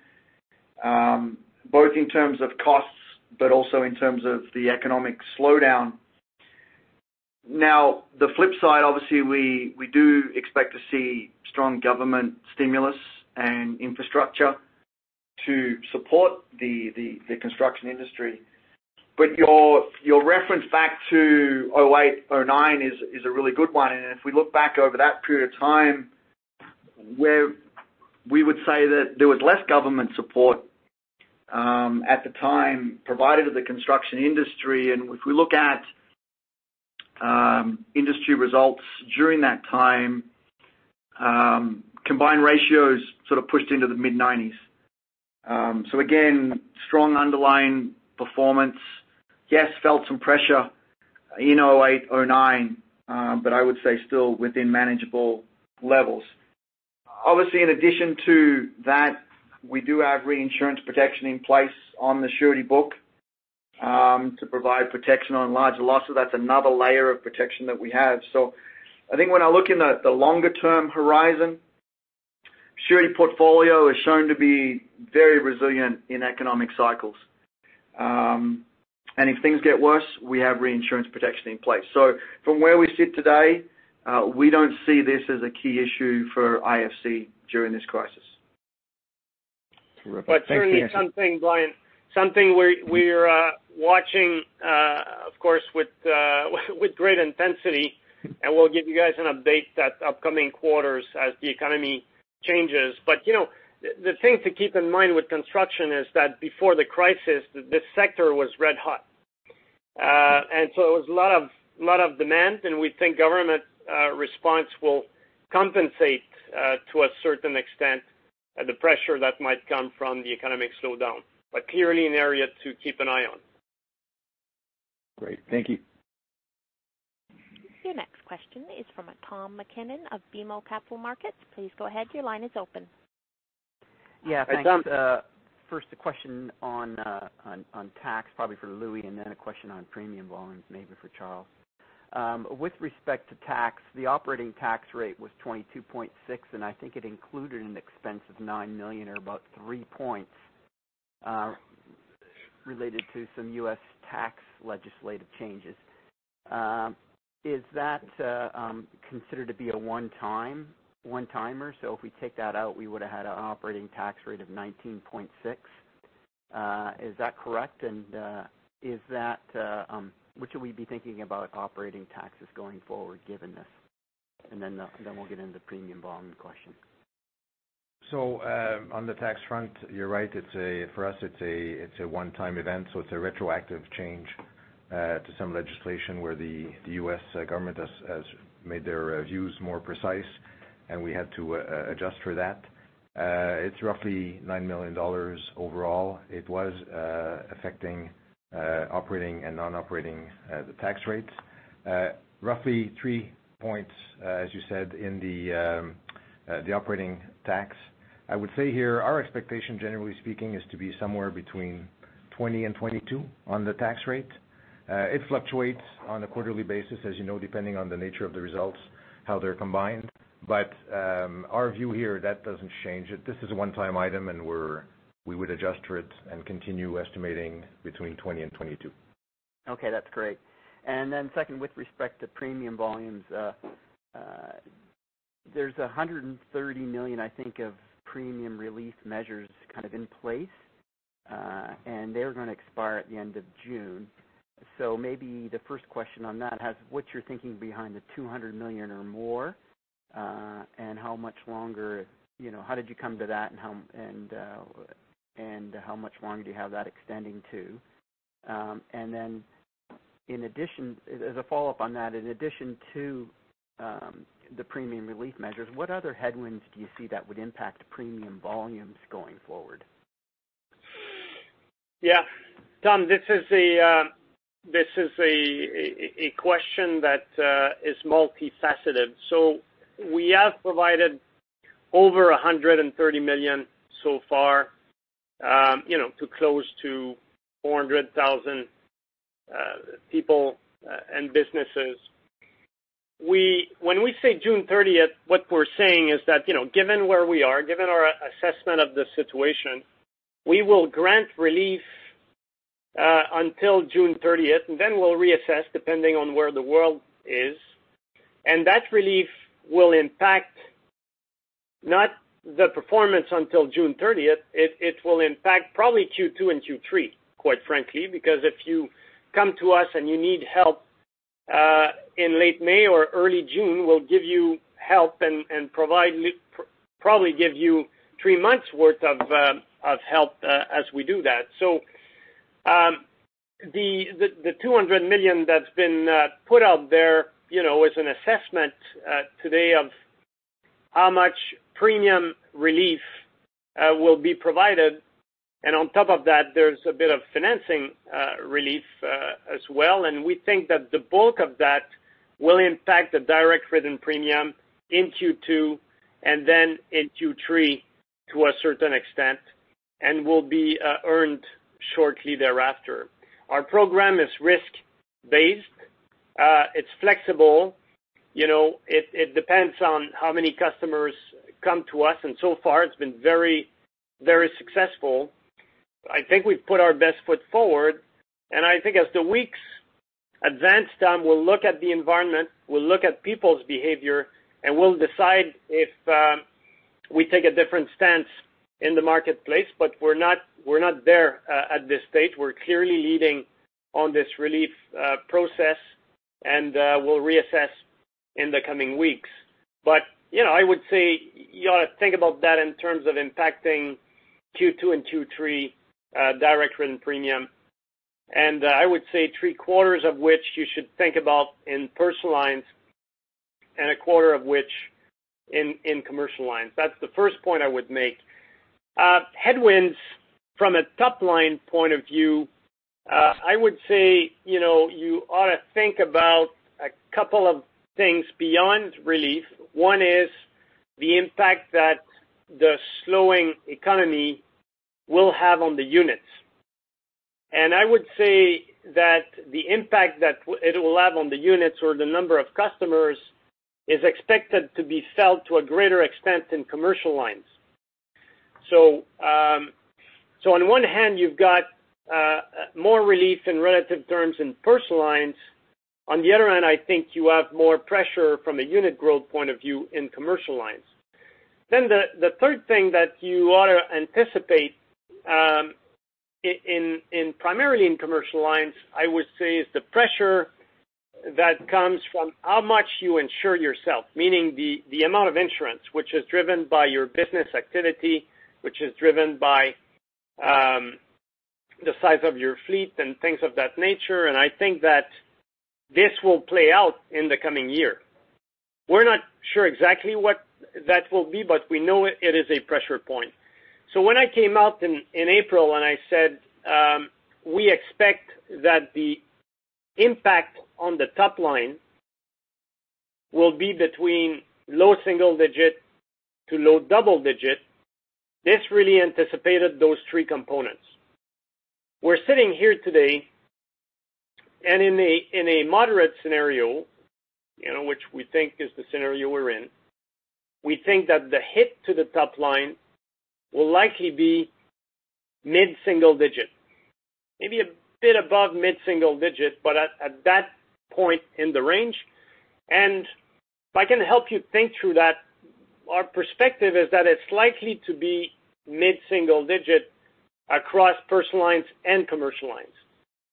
both in terms of costs, but also in terms of the economic slowdown. The flip side, obviously, we do expect to see strong government stimulus and infrastructure to support the construction industry. Your reference back to 2008, 2009 is a really good one. If we look back over that period of time, where we would say that there was less government support at the time provided to the construction industry, and if we look at industry results during that time, combined ratios sort of pushed into the mid-90s. Again, strong underlying performance. Yes, felt some pressure in 2008, 2009, I would say still within manageable levels. Obviously, in addition to that, we do have reinsurance protection in place on the Surety book to provide protection on larger losses. That's another layer of protection that we have. I think when I look in the longer term horizon, Surety portfolio is shown to be very resilient in economic cycles. If things get worse, we have reinsurance protection in place. From where we sit today, we don't see this as a key issue for IFC during this crisis. Certainly something, Brian, something we're watching, of course, with great intensity, and we'll give you guys an update at upcoming quarters as the economy changes. You know, the thing to keep in mind with construction is that before the crisis, this sector was red hot. It was a lot of demand, and we think government response will compensate to a certain extent, the pressure that might come from the economic slowdown, but clearly an area to keep an eye on. Great. Thank you. Your next question is from Tom MacKinnon of BMO Capital Markets. Please go ahead. Your line is open. Yeah, thanks. First, a question on tax, probably for Louis, and then a question on premium volumes, maybe for Charles. With respect to tax, the operating tax rate was 22.6%, and I think it included an expense of $9 million or about three points related to some U.S. tax legislative changes. Is that considered to be a one-timer? If we take that out, we would have had an operating tax rate of 19.6%. Is that correct? Is that what should we be thinking about operating taxes going forward, given this? Then we'll get into the premium volume question. On the tax front, you're right, it's a one-time event, so it's a retroactive change to some legislation where the U.S. government has made their views more precise, and we had to adjust for that. It's roughly $9 million overall. It was affecting operating and non-operating the tax rates. Roughly three points, as you said, in the operating tax. I would say here, our expectation, generally speaking, is to be somewhere between 20 and 22 on the tax rate. It fluctuates on a quarterly basis, as you know, depending on the nature of the results, how they're combined. Our view here, that doesn't change. This is a one-time item, and we would adjust for it and continue estimating between 20 and 22. Okay, that's great. Second, with respect to premium volumes, there's 130 million, I think, of premium relief measures kind of in place, and they're going to expire at the end of June. Maybe the first question on that, what's your thinking behind the 200 million or more? How much longer... You know, how did you come to that, and how, and how much longer do you have that extending to? In addition, as a follow-up on that, in addition to the premium relief measures, what other headwinds do you see that would impact premium volumes going forward? Yeah, Tom, this is a, this is a, a question that is multifaceted. We have provided over 130 million so far, you know, to close to 400,000 people and businesses. When we say June 30th, what we're saying is that, you know, given where we are, given our assessment of the situation, we will grant relief until June 30th, then we'll reassess, depending on where the world is. That relief will impact not the performance until June thirtieth, it will impact probably Q2 and Q3, quite frankly, because if you come to us and you need help in late May or early June, we'll give you help and provide probably give you three months' worth of help as we do that. The 200 million that's been put out there, you know, is an assessment today of how much premium relief will be provided. On top of that, there's a bit of financing relief as well. We think that the bulk of that will impact the direct written premium in Q2 and then in Q3 to a certain extent, and will be earned shortly thereafter. Our program is risk-based. It's flexible, you know, it depends on how many customers come to us, and so far it's been very, very successful. I think we've put our best foot forward, and I think as the weeks advance, Tom, we'll look at the environment, we'll look at people's behavior, and we'll decide if we take a different stance in the marketplace, but we're not, we're not there at this stage. We're clearly leading on this relief process, and we'll reassess in the coming weeks. You know, I would say, you ought to think about that in terms of impacting Q2 and Q3 direct written premium, and I would say three-quarters of which you should think about in personal lines and a quarter of which in commercial lines. That's the first point I would make. Headwinds from a top-line point of view, I would say, you know, you ought to think about a couple of things beyond relief. One is the impact that the slowing economy will have on the units. I would say that the impact that it will have on the units or the number of customers, is expected to be felt to a greater extent in commercial lines. On one hand, you've got more relief in relative terms in personal lines. On the other hand, I think you have more pressure from a unit growth point of view in commercial lines. The third thing that you ought to anticipate in primarily in commercial lines, I would say, is the pressure that comes from how much you insure yourself, meaning the amount of insurance, which is driven by your business activity, which is driven by the size of your fleet and things of that nature. I think that this will play out in the coming year. We're not sure exactly what that will be, but we know it is a pressure point. When I came out in April, and I said, we expect that the impact on the top line will be between low single-digit to low double-digit, this really anticipated those three components. We're sitting here today, and in a moderate scenario, you know, which we think is the scenario we're in, we think that the hit to the top line will likely be mid-single-digit, maybe a bit above mid-single-digit, but at that point in the range. If I can help you think through that, our perspective is that it's likely to be mid-single-digit across personal lines and commercial lines.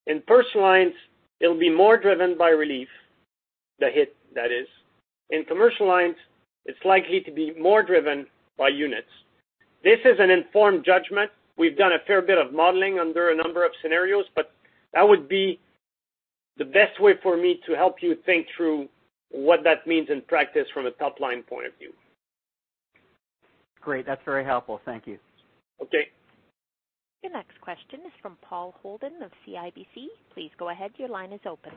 In personal lines, it'll be more driven by relief, the hit that is. In commercial lines, it's likely to be more driven by units. This is an informed judgment. We've done a fair bit of modeling under a number of scenarios, but that would be the best way for me to help you think through what that means in practice from a top line point of view. Great, that's very helpful. Thank you. Okay. Your next question is from Paul Holden of CIBC. Please go ahead. Your line is open.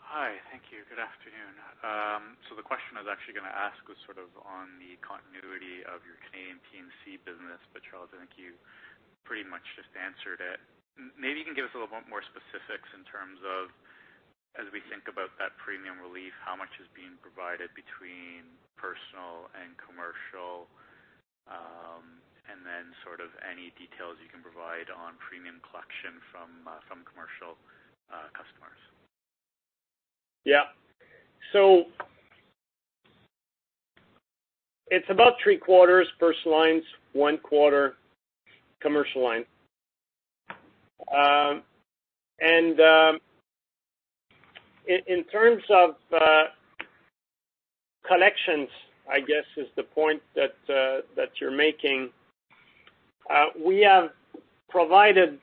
Hi. Thank you. Good afternoon. The question I was actually gonna ask was sort of on the continuity of your Canadian P&C business, Charles, I think you pretty much just answered it. Maybe you can give us a little bit more specifics in terms of, as we think about that premium relief, how much is being provided between personal and commercial, and then sort of any details you can provide on premium collection from commercial customers. Yeah. It's about three quarters personal lines, one quarter commercial line. In terms of collections, I guess, is the point that you're making, we have provided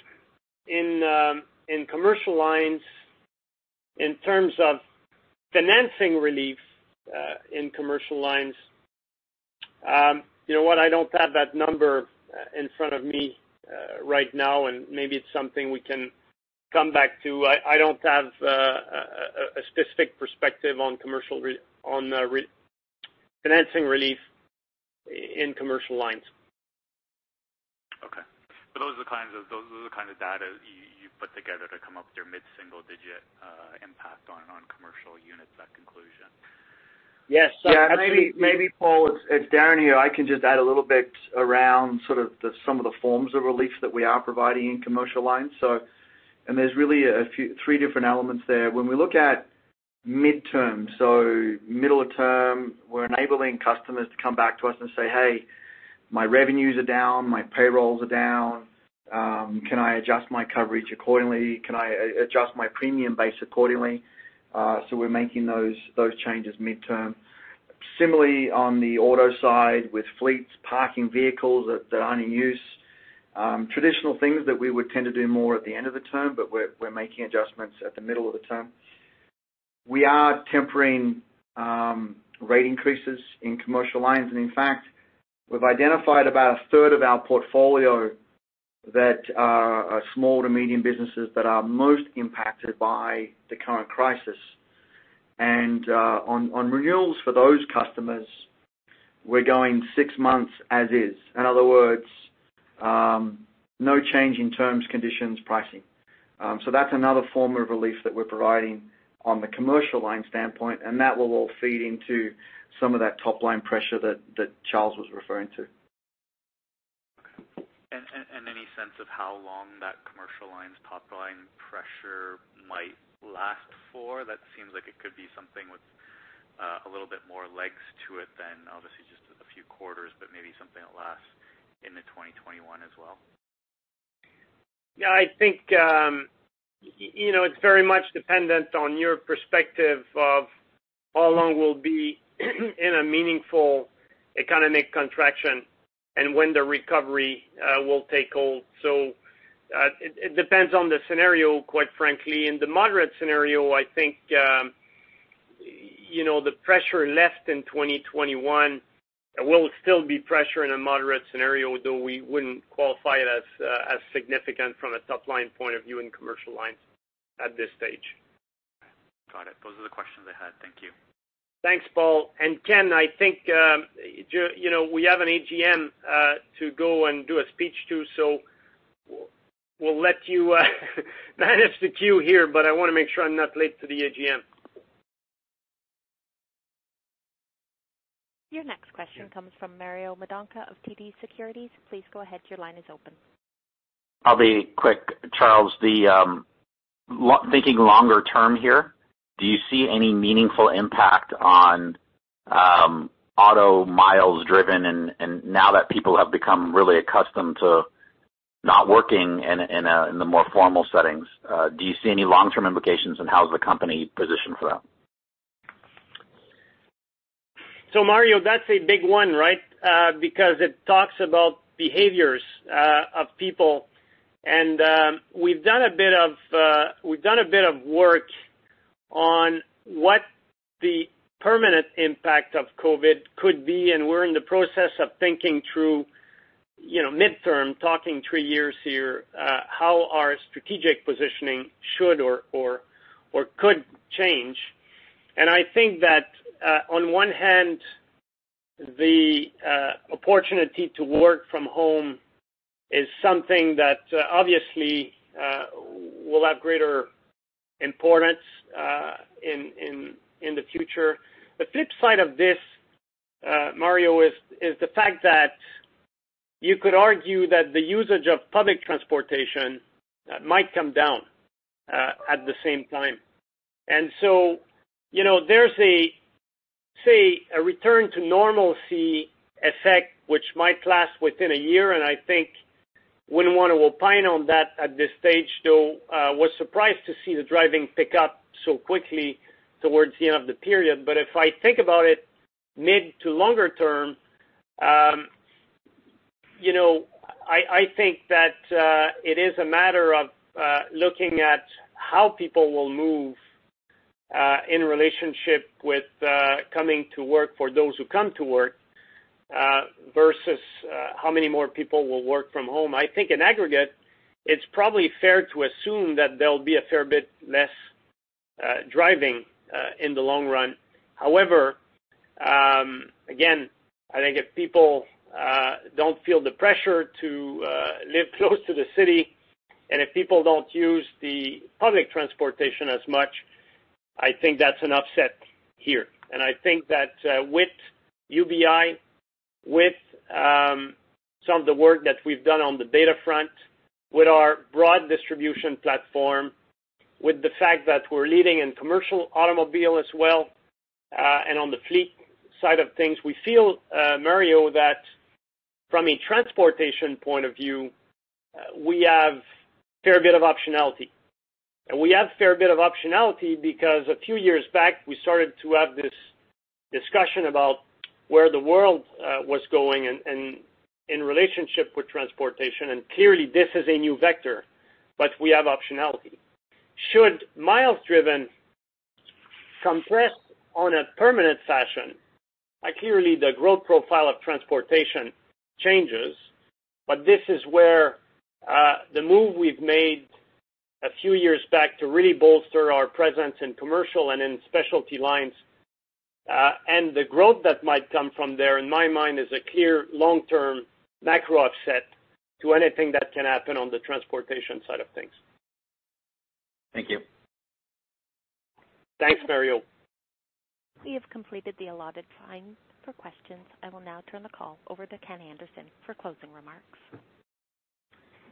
in commercial lines, in terms of financing relief, in commercial lines. You know what? I don't have that number in front of me right now, and maybe it's something we can come back to. I don't have a specific perspective on commercial financing relief in commercial lines. Those are the kind of data you put together to come up with your mid-single digit impact on commercial units, that conclusion? Yes. Yeah, maybe Paul, it's Darren here. I can just add a little bit around some of the forms of relief that we are providing in Commercial Lines. There's really three different elements there. When we look at mid-term, so middle of term, we're enabling customers to come back to us and say, "Hey, my revenues are down, my payrolls are down. Can I adjust my coverage accordingly? Can I adjust my premium base accordingly?" We're making those changes mid-term. Similarly, on the auto side, with fleets, parking vehicles that aren't in use, traditional things that we would tend to do more at the end of the term, but we're making adjustments at the middle of the term. We are tempering rate increases in Commercial Lines. In fact, we've identified about a third of our portfolio that are small to medium businesses that are most impacted by the current crisis. On renewals for those customers, we're going six months as is. In other words, no change in terms, conditions, pricing. So that's another form of relief that we're providing on the commercial line standpoint, and that will all feed into some of that top line pressure that Charles was referring to. Okay. Any sense of how long that Commercial Lines' top line pressure might last for? That seems like it could be something with a little bit more legs to it than obviously just a few quarters, but maybe something that lasts into 2021 as well. Yeah, I think, you know, it's very much dependent on your perspective of how long we'll be in a meaningful economic contraction and when the recovery will take hold. It, it depends on the scenario, quite frankly. In the moderate scenario, I think, you know, the pressure less than 2021, there will still be pressure in a moderate scenario, though we wouldn't qualify it as significant from a top line point of view in commercial lines at this stage. Got it. Those are the questions I had. Thank you. Thanks, Paul. Ken, I think, you know, we have an AGM to go and do a speech to, so we'll let you manage the queue here, but I want to make sure I'm not late to the AGM.... Your next question comes from Mario Mendonca of TD Securities. Please go ahead. Your line is open. I'll be quick, Charles. The thinking longer-term here, do you see any meaningful impact on auto miles driven and now that people have become really accustomed to not working in the more formal settings, do you see any long-term implications, and how is the company positioned for that? g one, right? Because it talks about behaviors of people. We've done a bit of, we've done a bit of work on what the permanent impact of COVID-19 could be, and we're in the process of thinking through, you know, midterm, talking three years here, how our strategic positioning should or could change. I think that on one hand, the opportunity to work from home is something that obviously will have greater importance in the future. The flip side of this, Mario, is the fact that you could argue that the usage of public transportation might come down at the same time You know, there's a say a return to normalcy effect, which might last within a year, and I think wouldn't want to opine on that at this stage, though, was surprised to see the driving pick up so quickly towards the end of the period. If I think about it mid to longer-term, you know, I think that it is a matter of looking at how people will move in relationship with coming to work for those who come to work versus how many more people will work from home. I think in aggregate, it's probably fair to assume that there'll be a fair bit less driving in the long run. However, again, I think if people don't feel the pressure to live close to the city, and if people don't use the public transportation as much, I think that's an upset here. I think that with UBI, with some of the work that we've done on the data front, with our broad distribution platform, with the fact that we're leading in commercial automobile as well, and on the fleet side of things, we feel, Mario, that from a transportation point of view, we have a fair bit of optionality. We have a fair bit of optionality because a few years back, we started to have this discussion about where the world was going and in relationship with transportation, and clearly, this is a new vector, but we have optionality. Should miles driven compress on a permanent fashion, clearly, the growth profile of transportation changes, but this is where, the move we've made a few years back to really bolster our presence in commercial and in specialty lines, and the growth that might come from there, in my mind, is a clear long-term macro offset to anything that can happen on the transportation side of things. Thank you. Thanks, Mario. We have completed the allotted time for questions. I will now turn the call over to Ken Anderson for closing remarks.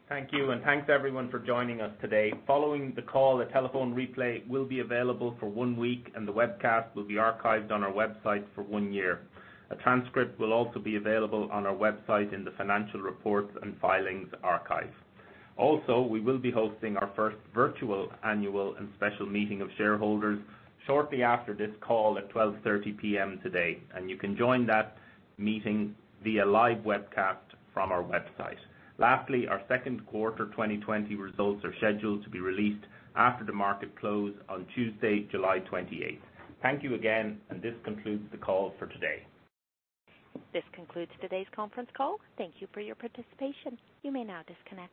Thank you, and thanks, everyone, for joining us today. Following the call, a telephone replay will be available for one week, and the webcast will be archived on our website for one year. A transcript will also be available on our website in the Financial Reports and Filings Archive. We will be hosting our first virtual annual and special meeting of shareholders shortly after this call at 12:30 P.M. today, and you can join that meeting via live webcast from our website. Our second quarter 2020 results are scheduled to be released after the market close on Tuesday, July 28th. Thank you again, and this concludes the call for today. This concludes today's conference call. Thank you for your participation. You may now disconnect.